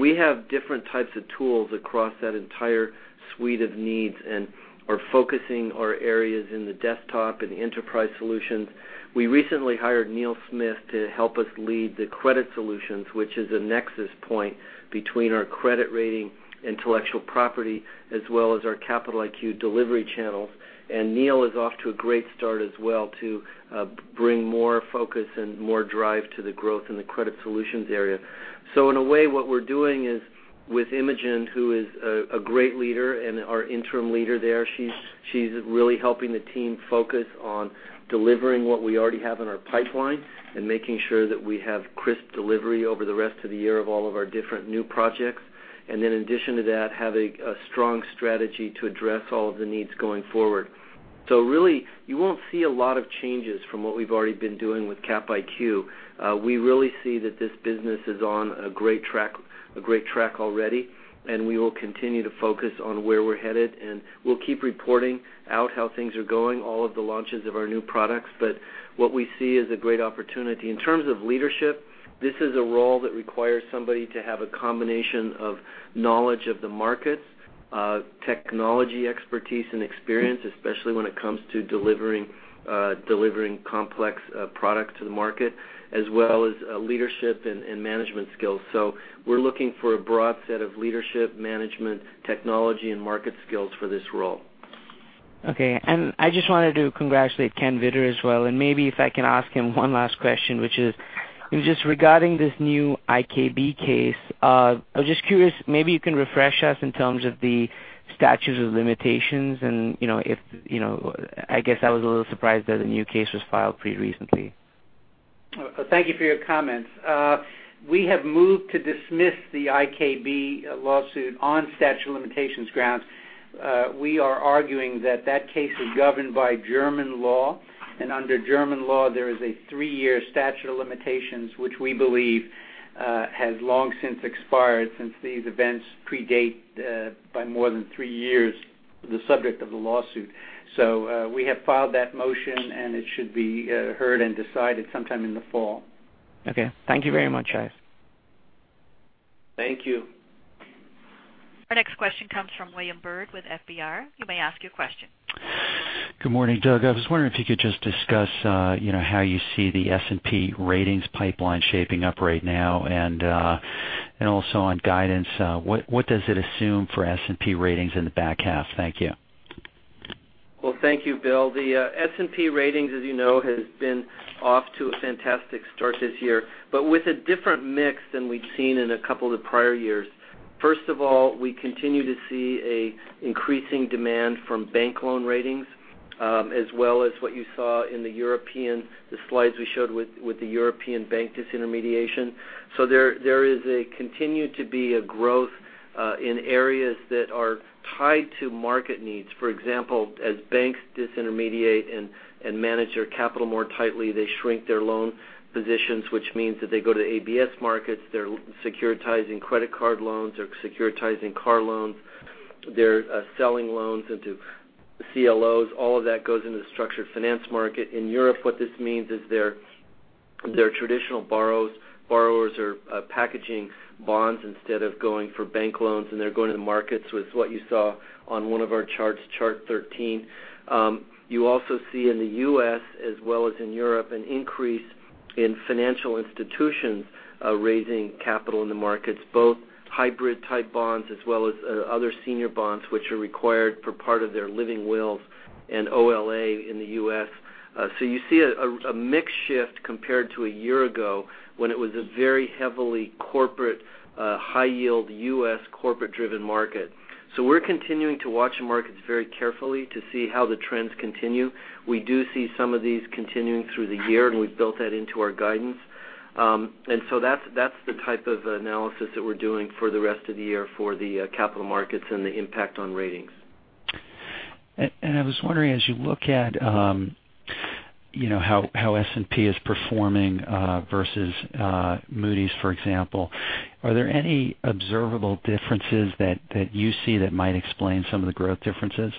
We have different types of tools across that entire suite of needs and are focusing our areas in the Desktop and the Enterprise Solutions. We recently hired Neil Smith to help us lead the S&P Credit Solutions, which is a nexus point between our credit rating intellectual property as well as our S&P Capital IQ delivery channels. Neil is off to a great start as well to bring more focus and more drive to the growth in the S&P Credit Solutions area. In a way, what we're doing is with Imogen, who is a great leader and our interim leader there, she's really helping the team focus on delivering what we already have in our pipeline and making sure that we have crisp delivery over the rest of the year of all of our different new projects. Then in addition to that, have a strong strategy to address all of the needs going forward. Really, you won't see a lot of changes from what we've already been doing with Capital IQ. We really see that this business is on a great track already, we will continue to focus on where we're headed, we'll keep reporting out how things are going, all of the launches of our new products, but what we see is a great opportunity. In terms of leadership, this is a role that requires somebody to have a combination of knowledge of the markets, technology expertise and experience, especially when it comes to delivering complex products to the market, as well as leadership and management skills. We're looking for a broad set of leadership, management, technology and market skills for this role. Okay. I just wanted to congratulate Ken Vittor as well, and maybe if I can ask him one last question, which is just regarding this new IKB case. I was just curious, maybe you can refresh us in terms of the statutes of limitations, I guess I was a little surprised that a new case was filed pretty recently. Thank you for your comments. We have moved to dismiss the IKB lawsuit on statute of limitations grounds. We are arguing that that case is governed by German law, under German law, there is a three-year statute of limitations which we believe has long since expired since these events predate by more than three years the subject of the lawsuit. We have filed that motion, it should be heard and decided sometime in the fall. Okay. Thank you very much, guys. Thank you. Our next question comes from William Bird with FBR. You may ask your question. Good morning, Doug. I was wondering if you could just discuss how you see the S&P ratings pipeline shaping up right now, and also on guidance, what does it assume for S&P ratings in the back half? Thank you. Well, thank you, Bill. S&P Ratings, as you know, has been off to a fantastic start this year, but with a different mix than we've seen in a couple of the prior years. First of all, we continue to see an increasing demand from bank loan ratings, as well as what you saw in the European, the slides we showed with the European bank disintermediation. There is continued to be a growth in areas that are tied to market needs. For example, as banks disintermediate and manage their capital more tightly, they shrink their loan positions, which means that they go to ABS markets. They're securitizing credit card loans. They're securitizing car loans. They're selling loans into CLOs. All of that goes into the structured finance market. In Europe, what this means is their traditional borrowers are packaging bonds instead of going for bank loans, and they're going to the markets with what you saw on one of our charts, chart 13. You also see in the U.S., as well as in Europe, an increase in financial institutions raising capital in the markets, both hybrid-type bonds as well as other senior bonds, which are required for part of their living wills and OLA in the U.S. You see a mix shift compared to a year ago, when it was a very heavily corporate high-yield U.S. corporate-driven market. We're continuing to watch the markets very carefully to see how the trends continue. We do see some of these continuing through the year, and we've built that into our guidance. That's the type of analysis that we're doing for the rest of the year for the capital markets and the impact on Ratings. I was wondering, as you look at how S&P is performing versus Moody's, for example, are there any observable differences that you see that might explain some of the growth differences?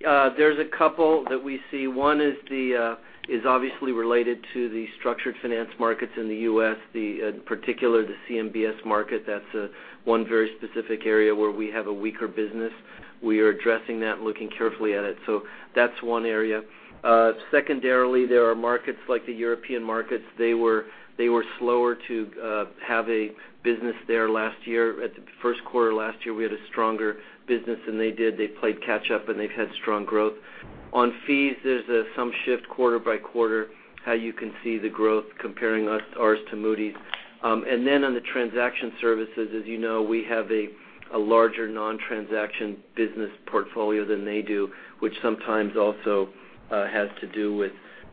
There's a couple that we see. One is obviously related to the structured finance markets in the U.S., in particular, the CMBS market. That's one very specific area where we have a weaker business. We are addressing that and looking carefully at it. That's one area. Secondarily, there are markets like the European markets. They were slower to have a business there last year. At the first quarter last year, we had a stronger business than they did. They played catch up and they've had strong growth. On fees, there's some shift quarter by quarter, how you can see the growth comparing ours to Moody's. On the transaction services, as you know, we have a larger non-transaction business portfolio than they do, which sometimes also has to do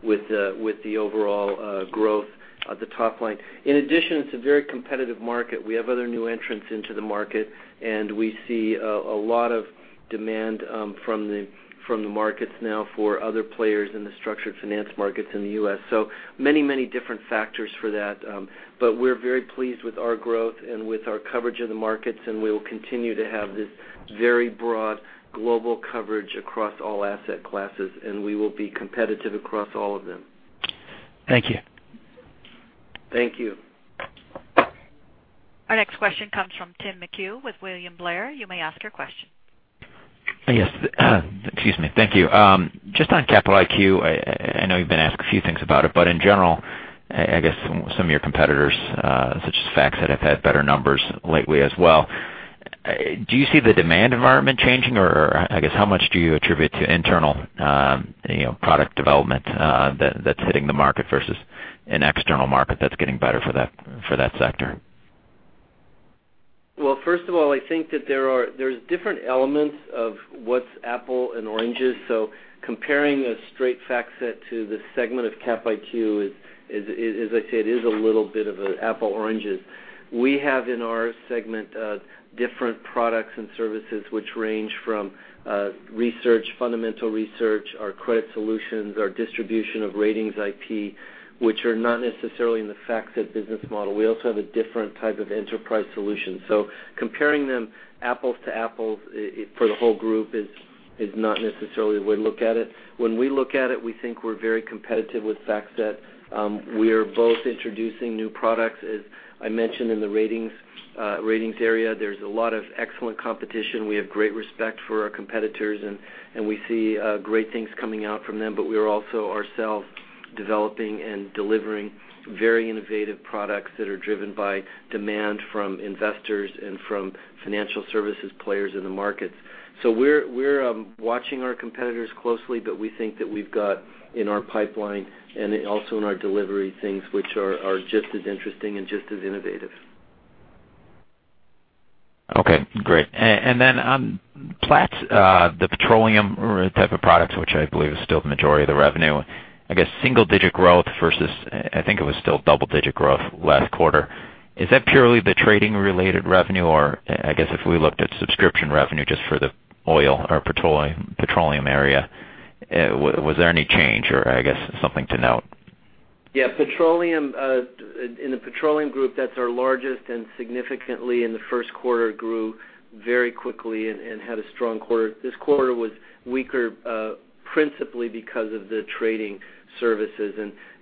with the overall growth of the top line. In addition, it's a very competitive market. We have other new entrants into the market, and we see a lot of demand from the markets now for other players in the structured finance markets in the U.S. Many different factors for that. We're very pleased with our growth and with our coverage of the markets, and we will continue to have this very broad global coverage across all asset classes, and we will be competitive across all of them. Thank you. Thank you. Our next question comes from Tim McHugh with William Blair. You may ask your question. Yes. Excuse me. Thank you. Just on Capital IQ, I know you've been asked a few things about it, but in general, I guess some of your competitors, such as FactSet, have had better numbers lately as well. Do you see the demand environment changing, or I guess how much do you attribute to internal product development that's hitting the market versus an external market that's getting better for that sector? Well, first of all, I think that there's different elements of what's apple and oranges. Comparing a straight FactSet to this segment of Cap IQ, as I say, it is a little bit of an apple oranges. We have in our segment different products and services which range from research, fundamental research, our credit solutions, our distribution of ratings IP, which are not necessarily in the FactSet business model. We also have a different type of enterprise solution. Comparing them apples to apples for the whole group is not necessarily the way to look at it. When we look at it, we think we're very competitive with FactSet. We are both introducing new products. As I mentioned in the ratings area, there's a lot of excellent competition. We have great respect for our competitors, and we see great things coming out from them. We are also ourselves developing and delivering very innovative products that are driven by demand from investors and from financial services players in the markets. We're watching our competitors closely, but we think that we've got in our pipeline and also in our delivery things which are just as interesting and just as innovative. On Platts, the petroleum type of products, which I believe is still the majority of the revenue. I guess single-digit growth versus, I think it was still double-digit growth last quarter. Is that purely the trading-related revenue, or I guess if we looked at subscription revenue just for the oil or petroleum area, was there any change, or I guess something to note? Yeah. In the petroleum group, that's our largest and significantly in the first quarter grew very quickly and had a strong quarter. This quarter was weaker principally because of the trading services.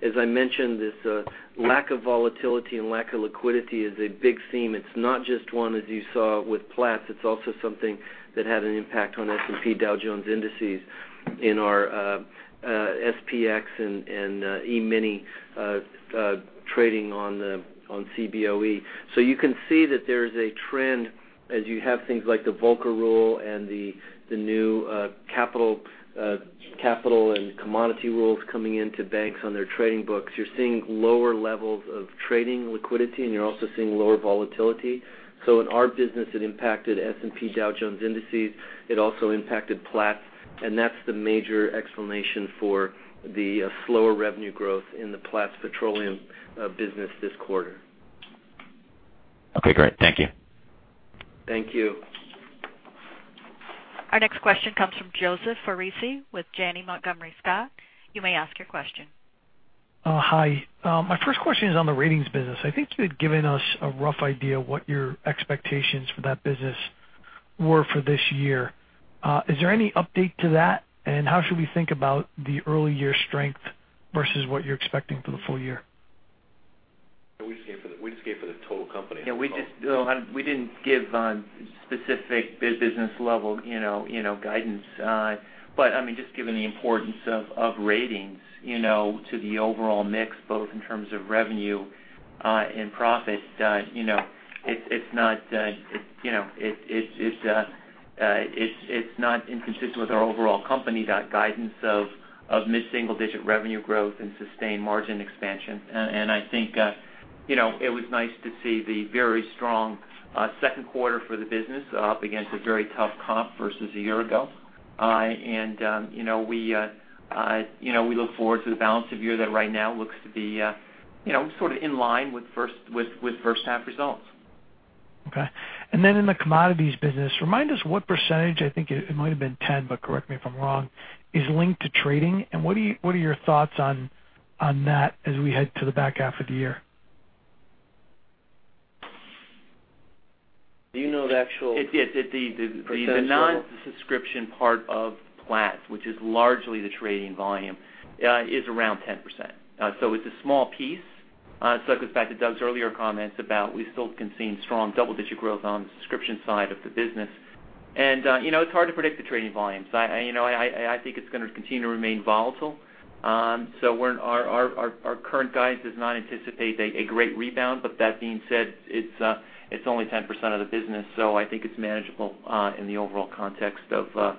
As I mentioned, this lack of volatility and lack of liquidity is a big theme. It's not just one as you saw with Platts, it's also something that had an impact on S&P Dow Jones Indices in our SPX and E-Mini trading on CBOE. You can see that there is a trend as you have things like the Volcker Rule and the new capital and commodity rules coming into banks on their trading books. You're seeing lower levels of trading liquidity, and you're also seeing lower volatility. In our business, it impacted S&P Dow Jones Indices. It also impacted Platts, that's the major explanation for the slower revenue growth in the Platts petroleum business this quarter. Okay, great. Thank you. Thank you. Our next question comes from Joseph Foresi with Janney Montgomery Scott. You may ask your question. Hi. My first question is on the ratings business. I think you had given us a rough idea what your expectations for that business were for this year. Is there any update to that? How should we think about the early year strength versus what you're expecting for the full year? We just gave it for the total company. We didn't give specific business-level guidance. Just given the importance of ratings to the overall mix, both in terms of revenue and profit, it's not inconsistent with our overall company guidance of mid-single-digit revenue growth and sustained margin expansion. I think it was nice to see the very strong second quarter for the business up against a very tough comp versus a year ago. We look forward to the balance of the year that right now looks to be sort of in line with first-half results. Okay. In the commodities business, remind us what percentage, I think it might have been 10%, but correct me if I'm wrong, is linked to trading, and what are your thoughts on that as we head to the back half of the year? Do you know the actual percentage? The non-subscription part of Platts, which is largely the trading volume, is around 10%. It's a small piece. It goes back to Doug's earlier comments about we still can see strong double-digit growth on the subscription side of the business. It's hard to predict the trading volumes. I think it's going to continue to remain volatile. Our current guidance does not anticipate a great rebound, but that being said, it's only 10% of the business, so I think it's manageable in the overall context of the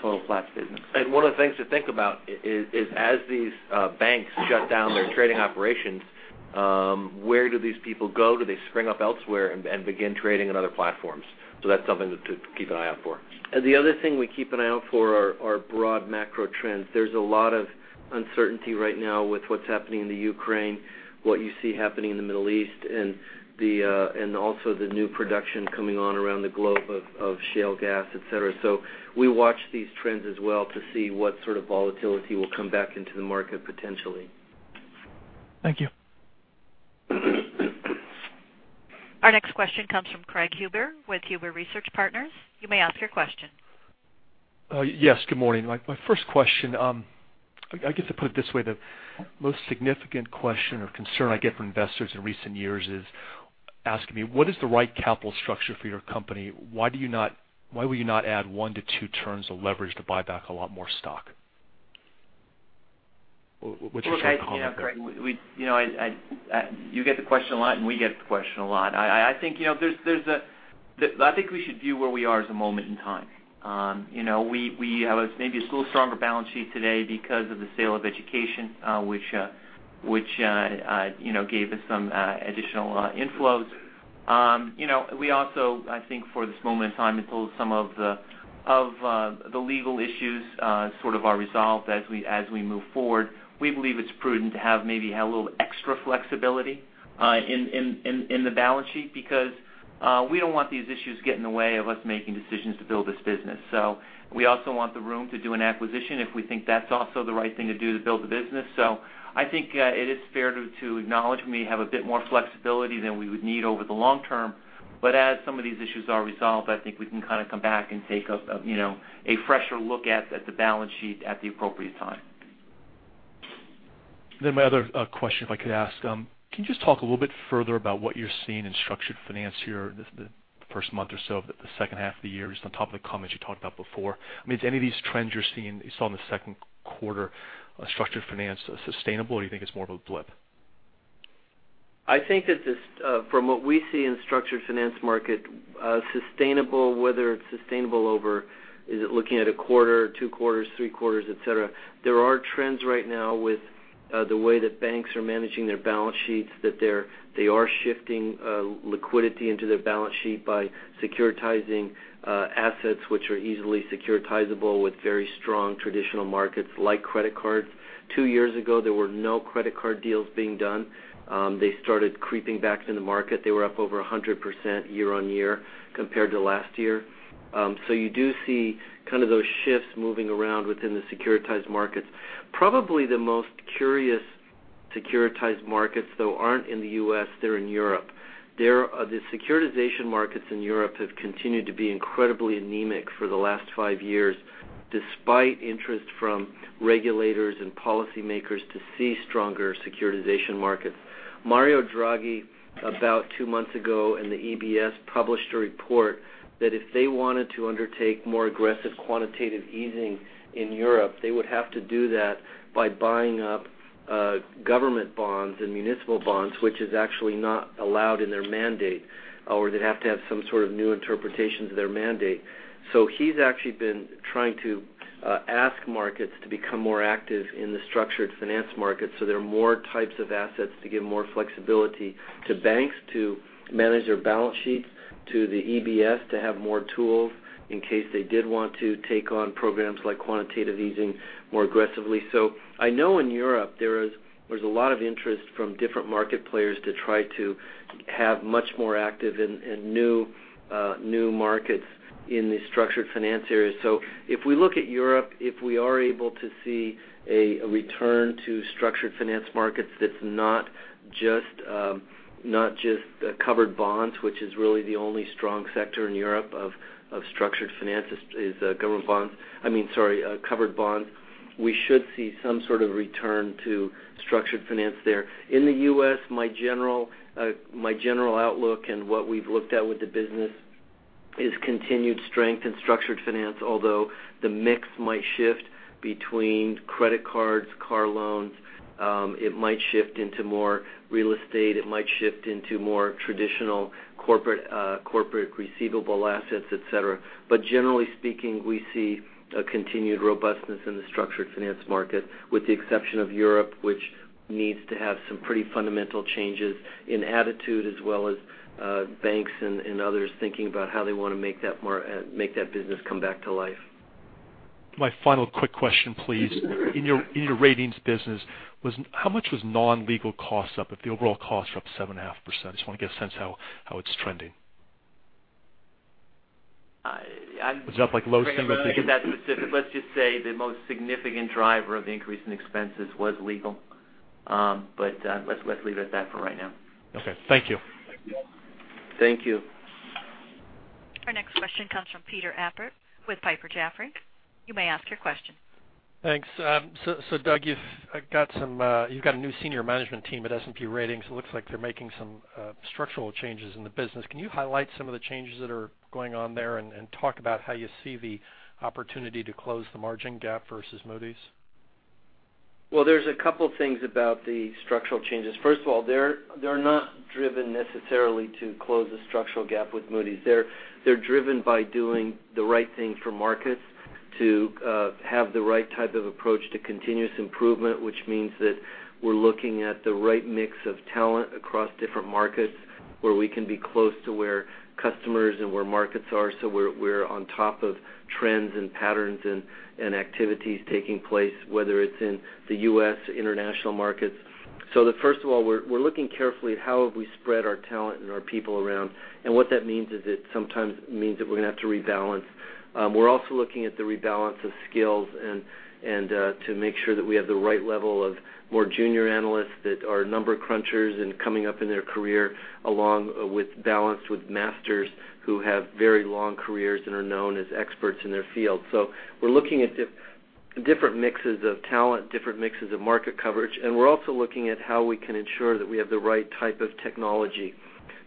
total Platts business. One of the things to think about is as these banks shut down their trading operations, where do these people go? Do they spring up elsewhere and begin trading on other platforms? That's something to keep an eye out for. The other thing we keep an eye out for are broad macro trends. There's a lot of uncertainty right now with what's happening in Ukraine, what you see happening in the Middle East, and also the new production coming on around the globe of shale gas, et cetera. We watch these trends as well to see what sort of volatility will come back into the market potentially. Thank you. Our next question comes from Craig Huber with Huber Research Partners. You may ask your question. Yes, good morning. My first question, I get to put it this way, the most significant question or concern I get from investors in recent years is asking me, "What is the right capital structure for your company? Why will you not add one to two turns of leverage to buy back a lot more stock?" Would you shed some light there? Craig, you get the question a lot. We get the question a lot. I think we should view where we are as a moment in time. We have maybe a little stronger balance sheet today because of the sale of Education, which gave us some additional inflows. We also, I think for this moment in time, until some of the legal issues sort of are resolved as we move forward, we believe it's prudent to have maybe a little extra flexibility in the balance sheet because we don't want these issues to get in the way of us making decisions to build this business. We also want the room to do an acquisition if we think that's also the right thing to do to build the business. I think it is fair to acknowledge we have a bit more flexibility than we would need over the long term, but as some of these issues are resolved, I think we can kind of come back and take a fresher look at the balance sheet at the appropriate time. My other question, if I could ask. Can you just talk a little bit further about what you're seeing in structured finance here the first month or so of the second half of the year? Just on top of the comments you talked about before. Are any of these trends you're seeing you saw in the second quarter structured finance sustainable, or do you think it's more of a blip? I think that from what we see in structured finance market, whether it's sustainable over, is it looking at a quarter, two quarters, three quarters, et cetera? There are trends right now with the way that banks are managing their balance sheets, that they are shifting liquidity into their balance sheet by securitizing assets which are easily securitizable with very strong traditional markets like credit cards. Two years ago, there were no credit card deals being done. They started creeping back into the market. They were up over 100% year-on-year compared to last year. You do see kind of those shifts moving around within the securitized markets. Probably the most curious Securitized markets, though, aren't in the U.S., they're in Europe. The securitization markets in Europe have continued to be incredibly anemic for the last five years, despite interest from regulators and policymakers to see stronger securitization markets. Mario Draghi, about two months ago, in the ECB, published a report that if they wanted to undertake more aggressive quantitative easing in Europe, they would have to do that by buying up government bonds and municipal bonds, which is actually not allowed in their mandate, or they'd have to have some sort of new interpretation to their mandate. He's actually been trying to ask markets to become more active in the structured finance market so there are more types of assets to give more flexibility to banks to manage their balance sheets, to the ECB to have more tools in case they did want to take on programs like quantitative easing more aggressively. I know in Europe, there's a lot of interest from different market players to try to have much more active and new markets in the structured finance area. If we look at Europe, if we are able to see a return to structured finance markets that's not just covered bonds, which is really the only strong sector in Europe of structured finance, is government bonds. I mean, sorry, covered bonds. We should see some sort of return to structured finance there. In the U.S., my general outlook and what we've looked at with the business is continued strength in structured finance, although the mix might shift between credit cards, car loans. It might shift into more real estate. It might shift into more traditional corporate receivable assets, et cetera. Generally speaking, we see a continued robustness in the structured finance market, with the exception of Europe, which needs to have some pretty fundamental changes in attitude, as well as banks and others thinking about how they want to make that business come back to life. My final quick question, please. In your ratings business, how much was non-legal costs up, if the overall costs are up 7.5%? I just want to get a sense how it's trending. I- Was it up like low single digits? Craig, I'm not going to get that specific. Let's just say the most significant driver of increase in expenses was legal. Let's leave it at that for right now. Okay. Thank you. Thank you. Our next question comes from Peter Appert with Piper Jaffray. You may ask your question. Thanks. Doug, you've got a new senior management team at S&P Ratings. It looks like they're making some structural changes in the business. Can you highlight some of the changes that are going on there and talk about how you see the opportunity to close the margin gap versus Moody's? There's a couple things about the structural changes. First of all, they're not driven necessarily to close the structural gap with Moody's. They're driven by doing the right thing for markets to have the right type of approach to continuous improvement, which means that we're looking at the right mix of talent across different markets, where we can be close to where customers and where markets are so we're on top of trends and patterns and activities taking place, whether it's in the U.S., international markets. First of all, we're looking carefully at how have we spread our talent and our people around, and what that means is it sometimes means that we're going to have to rebalance. We're also looking at the rebalance of skills and to make sure that we have the right level of more junior analysts that are number crunchers and coming up in their career, along with balance with masters who have very long careers and are known as experts in their field. We're looking at different mixes of talent, different mixes of market coverage, and we're also looking at how we can ensure that we have the right type of technology.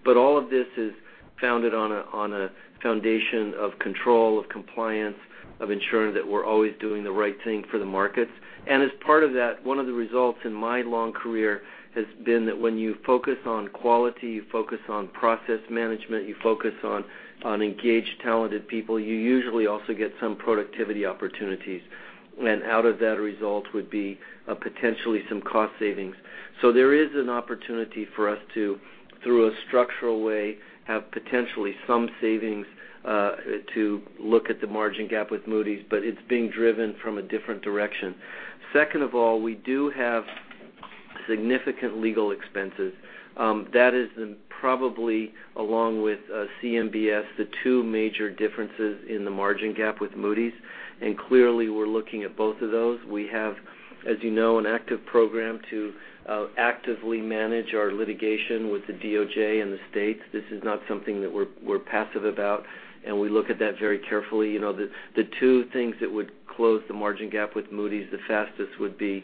All of this is founded on a foundation of control, of compliance, of ensuring that we're always doing the right thing for the markets. As part of that, one of the results in my long career has been that when you focus on quality, you focus on process management, you focus on engaged, talented people, you usually also get some productivity opportunities. Out of that result would be potentially some cost savings. There is an opportunity for us to, through a structural way, have potentially some savings to look at the margin gap with Moody's, but it's being driven from a different direction. Second of all, we do have significant legal expenses. That is probably, along with CMBS, the two major differences in the margin gap with Moody's. Clearly, we're looking at both of those. We have, as you know, an active program to actively manage our litigation with the DOJ and the states. This is not something that we're passive about, and we look at that very carefully. The two things that would close the margin gap with Moody's the fastest would be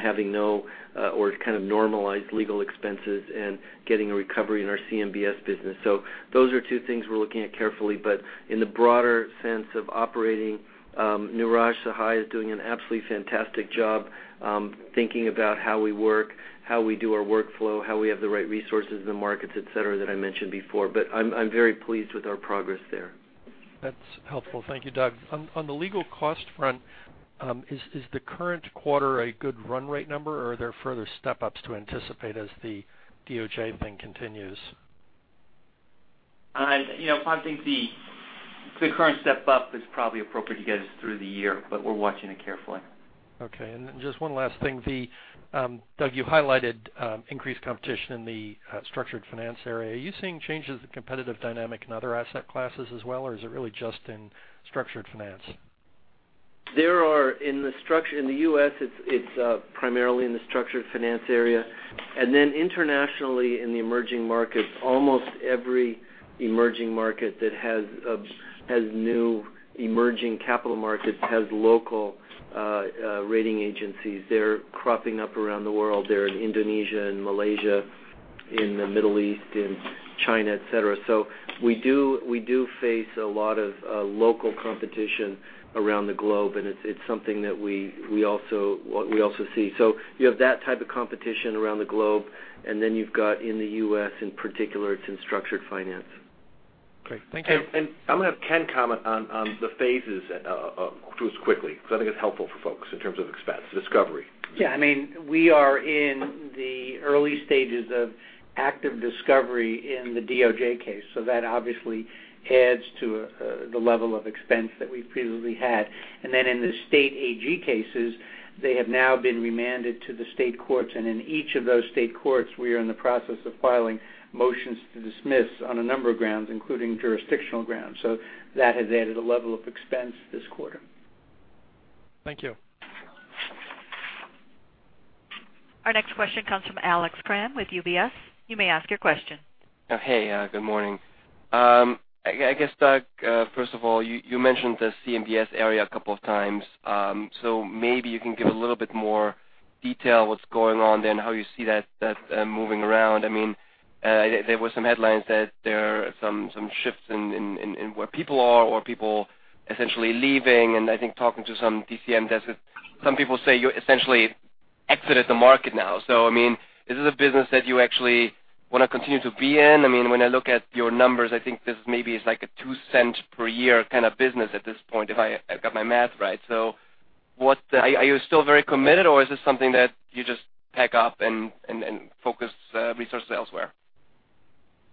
having no or kind of normalized legal expenses and getting a recovery in our CMBS business. Those are two things we're looking at carefully. In the broader sense of operating, Neeraj Sahai is doing an absolutely fantastic job thinking about how we work, how we do our workflow, how we have the right resources in the markets, et cetera, that I mentioned before. I'm very pleased with our progress there. That's helpful. Thank you, Doug. On the legal cost front, is the current quarter a good run rate number, or are there further step-ups to anticipate as the DOJ thing continues? I think the current step-up is probably appropriate to get us through the year, we're watching it carefully. Okay. Just one last thing. Doug, you highlighted increased competition in the structured finance area. Are you seeing changes in competitive dynamic in other asset classes as well, or is it really just in structured finance? In the U.S., it's primarily in the structured finance area. Internationally in the emerging markets, almost every emerging market that has new emerging capital markets has local rating agencies. They're cropping up around the world. They're in Indonesia and Malaysia, in the Middle East, in China, et cetera. We do face a lot of local competition around the globe, and it's something that we also see. You have that type of competition around the globe, and then you've got in the U.S. in particular, it's in structured finance. Great. Thank you. I'm going to have Ken comment on the phases, just quickly, because I think it's helpful for folks in terms of expense discovery. Yeah. We are in the early stages of active discovery in the DOJ case, so that obviously adds to the level of expense that we previously had. Then in the state AG cases, they have now been remanded to the state courts, and in each of those state courts, we are in the process of filing motions to dismiss on a number of grounds, including jurisdictional grounds. So that has added a level of expense this quarter. Thank you. Our next question comes from Alex Kramm with UBS. You may ask your question. Hey, good morning. I guess, Doug, first of all, you mentioned the CMBS area 2 times. Maybe you can give a little bit more detail what's going on there and how you see that moving around. There were some headlines that there are some shifts in where people are or people essentially leaving. I think talking to some DCM, some people say you essentially exited the market now. Is this a business that you actually want to continue to be in? When I look at your numbers, I think this maybe is like a $0.02 per year kind of business at this point, if I've got my math right. Are you still very committed, or is this something that you just pack up and focus resources elsewhere?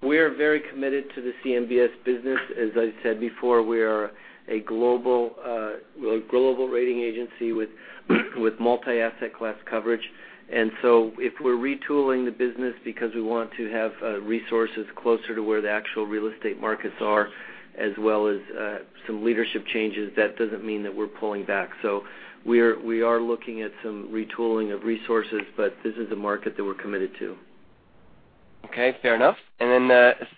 We are very committed to the CMBS business. As I said before, we are a global rating agency with multi-asset class coverage. If we're retooling the business because we want to have resources closer to where the actual real estate markets are, as well as some leadership changes, that doesn't mean that we're pulling back. We are looking at some retooling of resources, but this is a market that we're committed to. Okay, fair enough.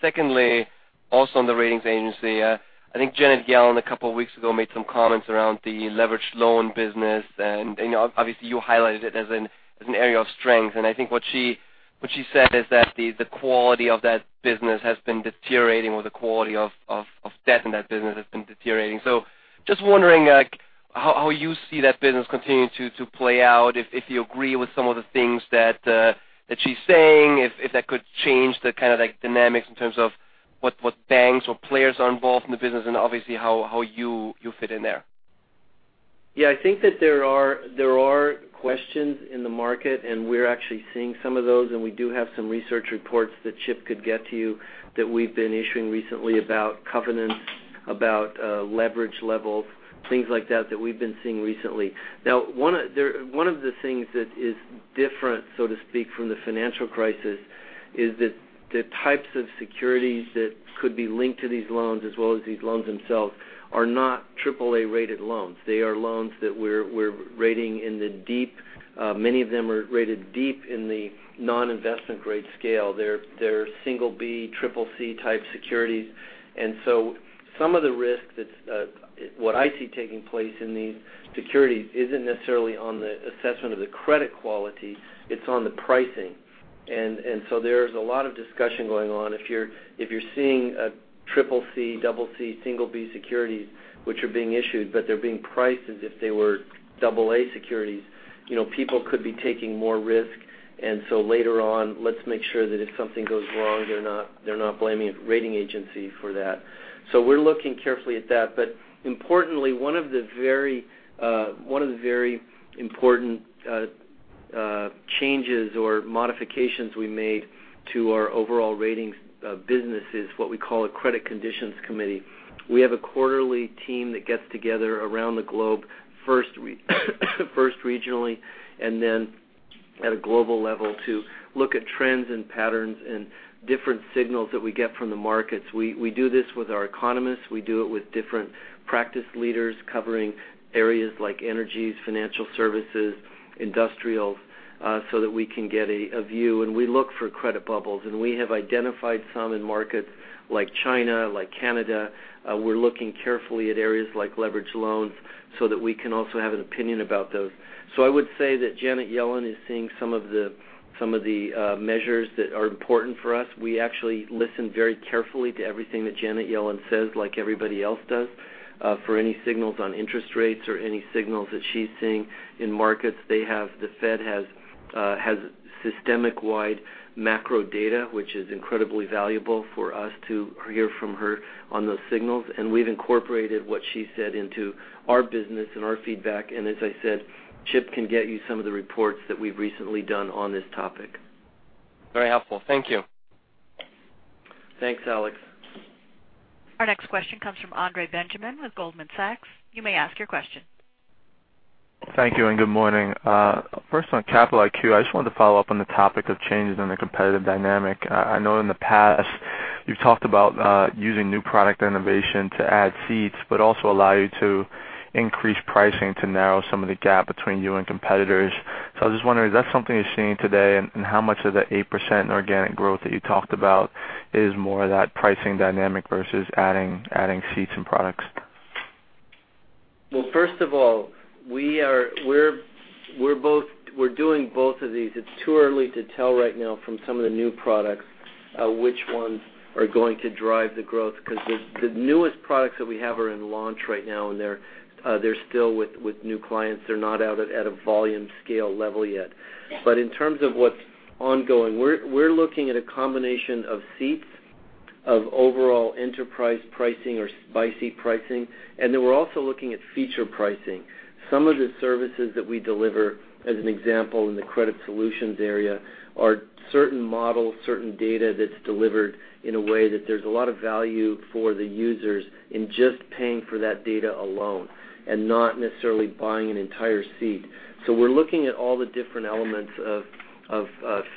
Secondly, also on the ratings agency, I think Janet Yellen 2 weeks ago made some comments around the leveraged loan business. Obviously, you highlighted it as an area of strength. I think what she said is that the quality of that business has been deteriorating or the quality of debt in that business has been deteriorating. Just wondering how you see that business continuing to play out, if you agree with some of the things that she's saying, if that could change the dynamics in terms of what banks or players are involved in the business and obviously how you fit in there. Yeah, I think that there are questions in the market, and we're actually seeing some of those. We do have some research reports that Chip could get to you that we've been issuing recently about covenants, about leverage levels, things like that that we've been seeing recently. Now, one of the things that is different, so to speak, from the financial crisis is that the types of securities that could be linked to these loans as well as these loans themselves are not AAA-rated loans. They are loans that we're rating in the deep. Many of them are rated deep in the non-investment grade scale. They're single B, triple C type securities. Some of the risk that what I see taking place in these securities isn't necessarily on the assessment of the credit quality, it's on the pricing. There's a lot of discussion going on. If you're seeing a triple C, double C, single B securities which are being issued, but they're being priced as if they were AA securities, people could be taking more risk. Later on, let's make sure that if something goes wrong, they're not blaming a rating agency for that. We're looking carefully at that. Importantly, one of the very important changes or modifications we made to our overall ratings business is what we call a Credit Conditions Committee. We have a quarterly team that gets together around the globe, first regionally, and then at a global level to look at trends and patterns and different signals that we get from the markets. We do this with our economists. We do it with different practice leaders covering areas like energies, financial services, industrials, so that we can get a view. We look for credit bubbles. We have identified some in markets like China, like Canada. We're looking carefully at areas like leveraged loans so that we can also have an opinion about those. I would say that Janet Yellen is seeing some of the measures that are important for us. We actually listen very carefully to everything that Janet Yellen says, like everybody else does, for any signals on interest rates or any signals that she's seeing in markets. The Fed has systemic-wide macro data, which is incredibly valuable for us to hear from her on those signals. We've incorporated what she said into our business and our feedback. As I said, Chip can get you some of the reports that we've recently done on this topic. Very helpful. Thank you. Thanks, Alex. Our next question comes from Andre Benjamin with Goldman Sachs. You may ask your question. Thank you. Good morning. First on S&P Capital IQ, I just wanted to follow up on the topic of changes in the competitive dynamic. I know in the past you've talked about using new product innovation to add seats, but also allow you to increase pricing to narrow some of the gap between you and competitors. I was just wondering, is that something you're seeing today? How much of the 8% organic growth that you talked about is more of that pricing dynamic versus adding seats and products? First of all, we're doing both of these. It's too early to tell right now from some of the new products which ones are going to drive the growth, because the newest products that we have are in launch right now, and they're still with new clients. They're not out at a volume scale level yet. In terms of what's ongoing, we're looking at a combination of seats, of overall enterprise pricing or by-seat pricing, and then we're also looking at feature pricing. Some of the services that we deliver, as an example, in the S&P Credit Solutions area, are certain models, certain data that's delivered in a way that there's a lot of value for the users in just paying for that data alone and not necessarily buying an entire seat. We're looking at all the different elements of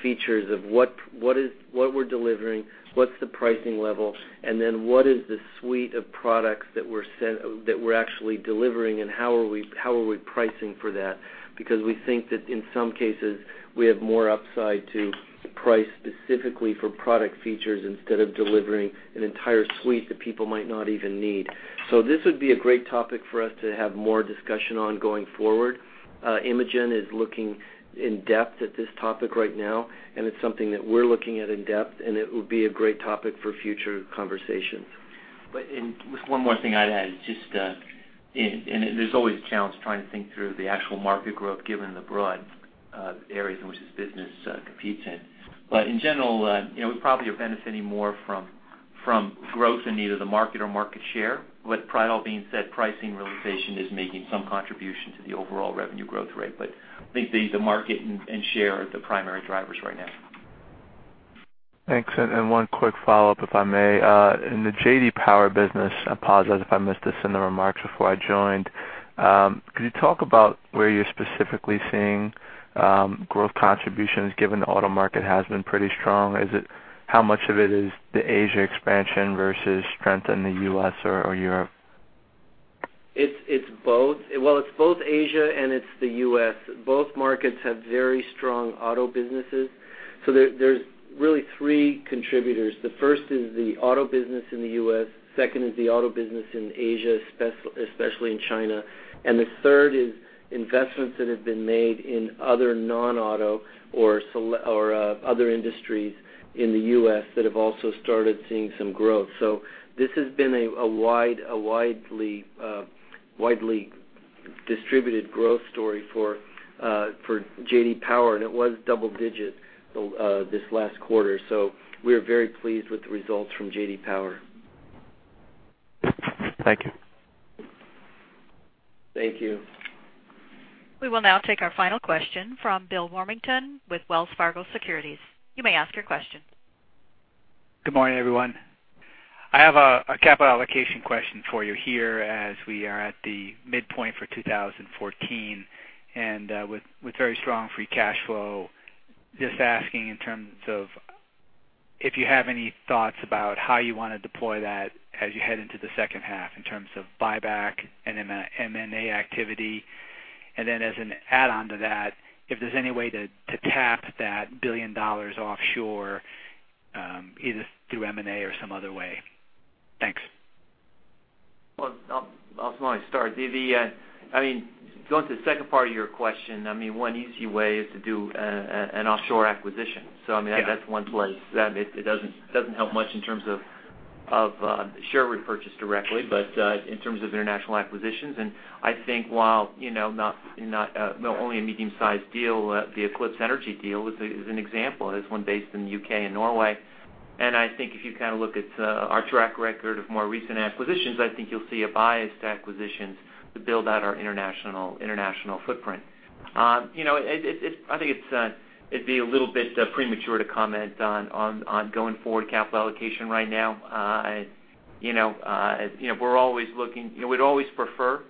features, of what we're delivering, what's the pricing level, and then what is the suite of products that we're actually delivering, and how are we pricing for that? We think that in some cases, we have more upside to price specifically for product features instead of delivering an entire suite that people might not even need. This would be a great topic for us to have more discussion on going forward. Imogen is looking in depth at this topic right now, it's something that we're looking at in depth, and it would be a great topic for future conversations. Just one more thing I'd add, there's always a challenge trying to think through the actual market growth given the broad areas in which this business competes in. In general, we probably are benefiting more from growth in either the market or market share. With that all being said, pricing realization is making some contribution to the overall revenue growth rate. I think the market and share are the primary drivers right now. Thanks. One quick follow-up, if I may. In the J.D. Power business, apologize if I missed this in the remarks before I joined. Could you talk about where you're specifically seeing growth contributions given the auto market has been pretty strong? How much of it is the Asia expansion versus strength in the U.S. or Europe? It's both. It's both Asia and it's the U.S. Both markets have very strong auto businesses. There's really three contributors. The first is the auto business in the U.S., second is the auto business in Asia, especially in China, and the third is investments that have been made in other non-auto or other industries in the U.S. that have also started seeing some growth. This has been a widely distributed growth story for J.D. Power, and it was double digit this last quarter. We are very pleased with the results from J.D. Power. Thank you. Thank you. We will now take our final question from Bill Warmington with Wells Fargo Securities. You may ask your question. Good morning, everyone. I have a capital allocation question for you here as we are at the midpoint for 2014 and with very strong free cash flow. Just asking in terms of if you have any thoughts about how you want to deploy that as you head into the second half in terms of buyback and M&A activity. Then as an add-on to that, if there's any way to tap that $1 billion offshore, either through M&A or some other way. Thanks. Well, I'll probably start. Going to the second part of your question, one easy way is to do an offshore acquisition. That's one place. It doesn't help much in terms of share repurchase directly, but in terms of international acquisitions. While only a medium-sized deal, the Eclipse Energy deal is an example. That's one based in the U.K. and Norway. If you look at our track record of more recent acquisitions, I think you'll see a bias to acquisitions to build out our international footprint. I think it'd be a little bit premature to comment on going forward capital allocation right now. We'd always prefer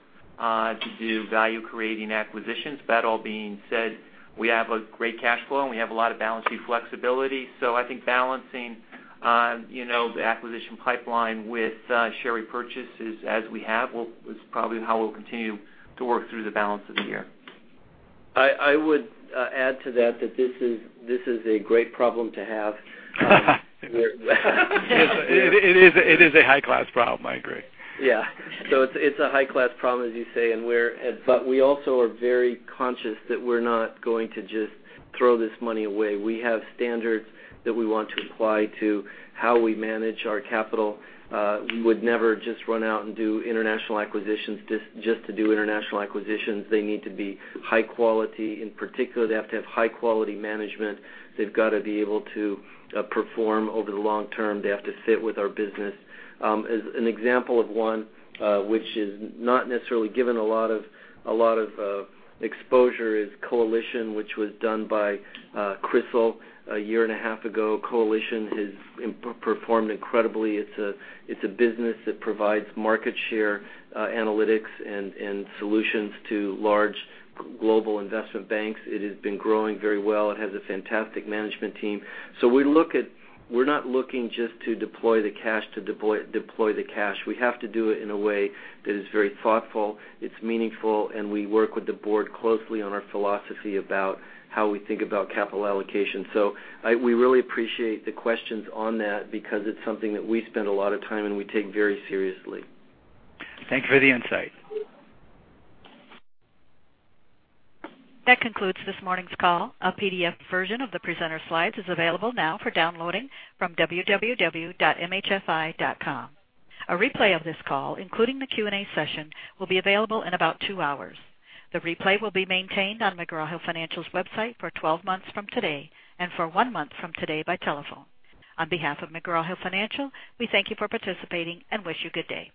to do value-creating acquisitions. That all being said, we have a great cash flow, and we have a lot of balance sheet flexibility. I think balancing the acquisition pipeline with share repurchases as we have is probably how we'll continue to work through the balance of the year. I would add to that this is a great problem to have. It is a high-class problem. I agree. Yeah. It's a high-class problem, as you say, but we also are very conscious that we're not going to just throw this money away. We have standards that we want to apply to how we manage our capital. We would never just run out and do international acquisitions just to do international acquisitions. They need to be high quality. In particular, they have to have high-quality management. They've got to be able to perform over the long term. They have to fit with our business. As an example of one which is not necessarily given a lot of exposure is Coalition, which was done by CRISIL a year and a half ago. Coalition has performed incredibly. It's a business that provides market share analytics and solutions to large global investment banks. It has been growing very well. It has a fantastic management team. We're not looking just to deploy the cash to deploy the cash. We have to do it in a way that is very thoughtful, it's meaningful, and we work with the board closely on our philosophy about how we think about capital allocation. We really appreciate the questions on that because it's something that we spend a lot of time and we take very seriously. Thank you for the insight. That concludes this morning's call. A PDF version of the presenter slides is available now for downloading from www.mhfi.com. A replay of this call, including the Q&A session, will be available in about two hours. The replay will be maintained on McGraw Hill Financial's website for 12 months from today and for one month from today by telephone. On behalf of McGraw Hill Financial, we thank you for participating and wish you good day.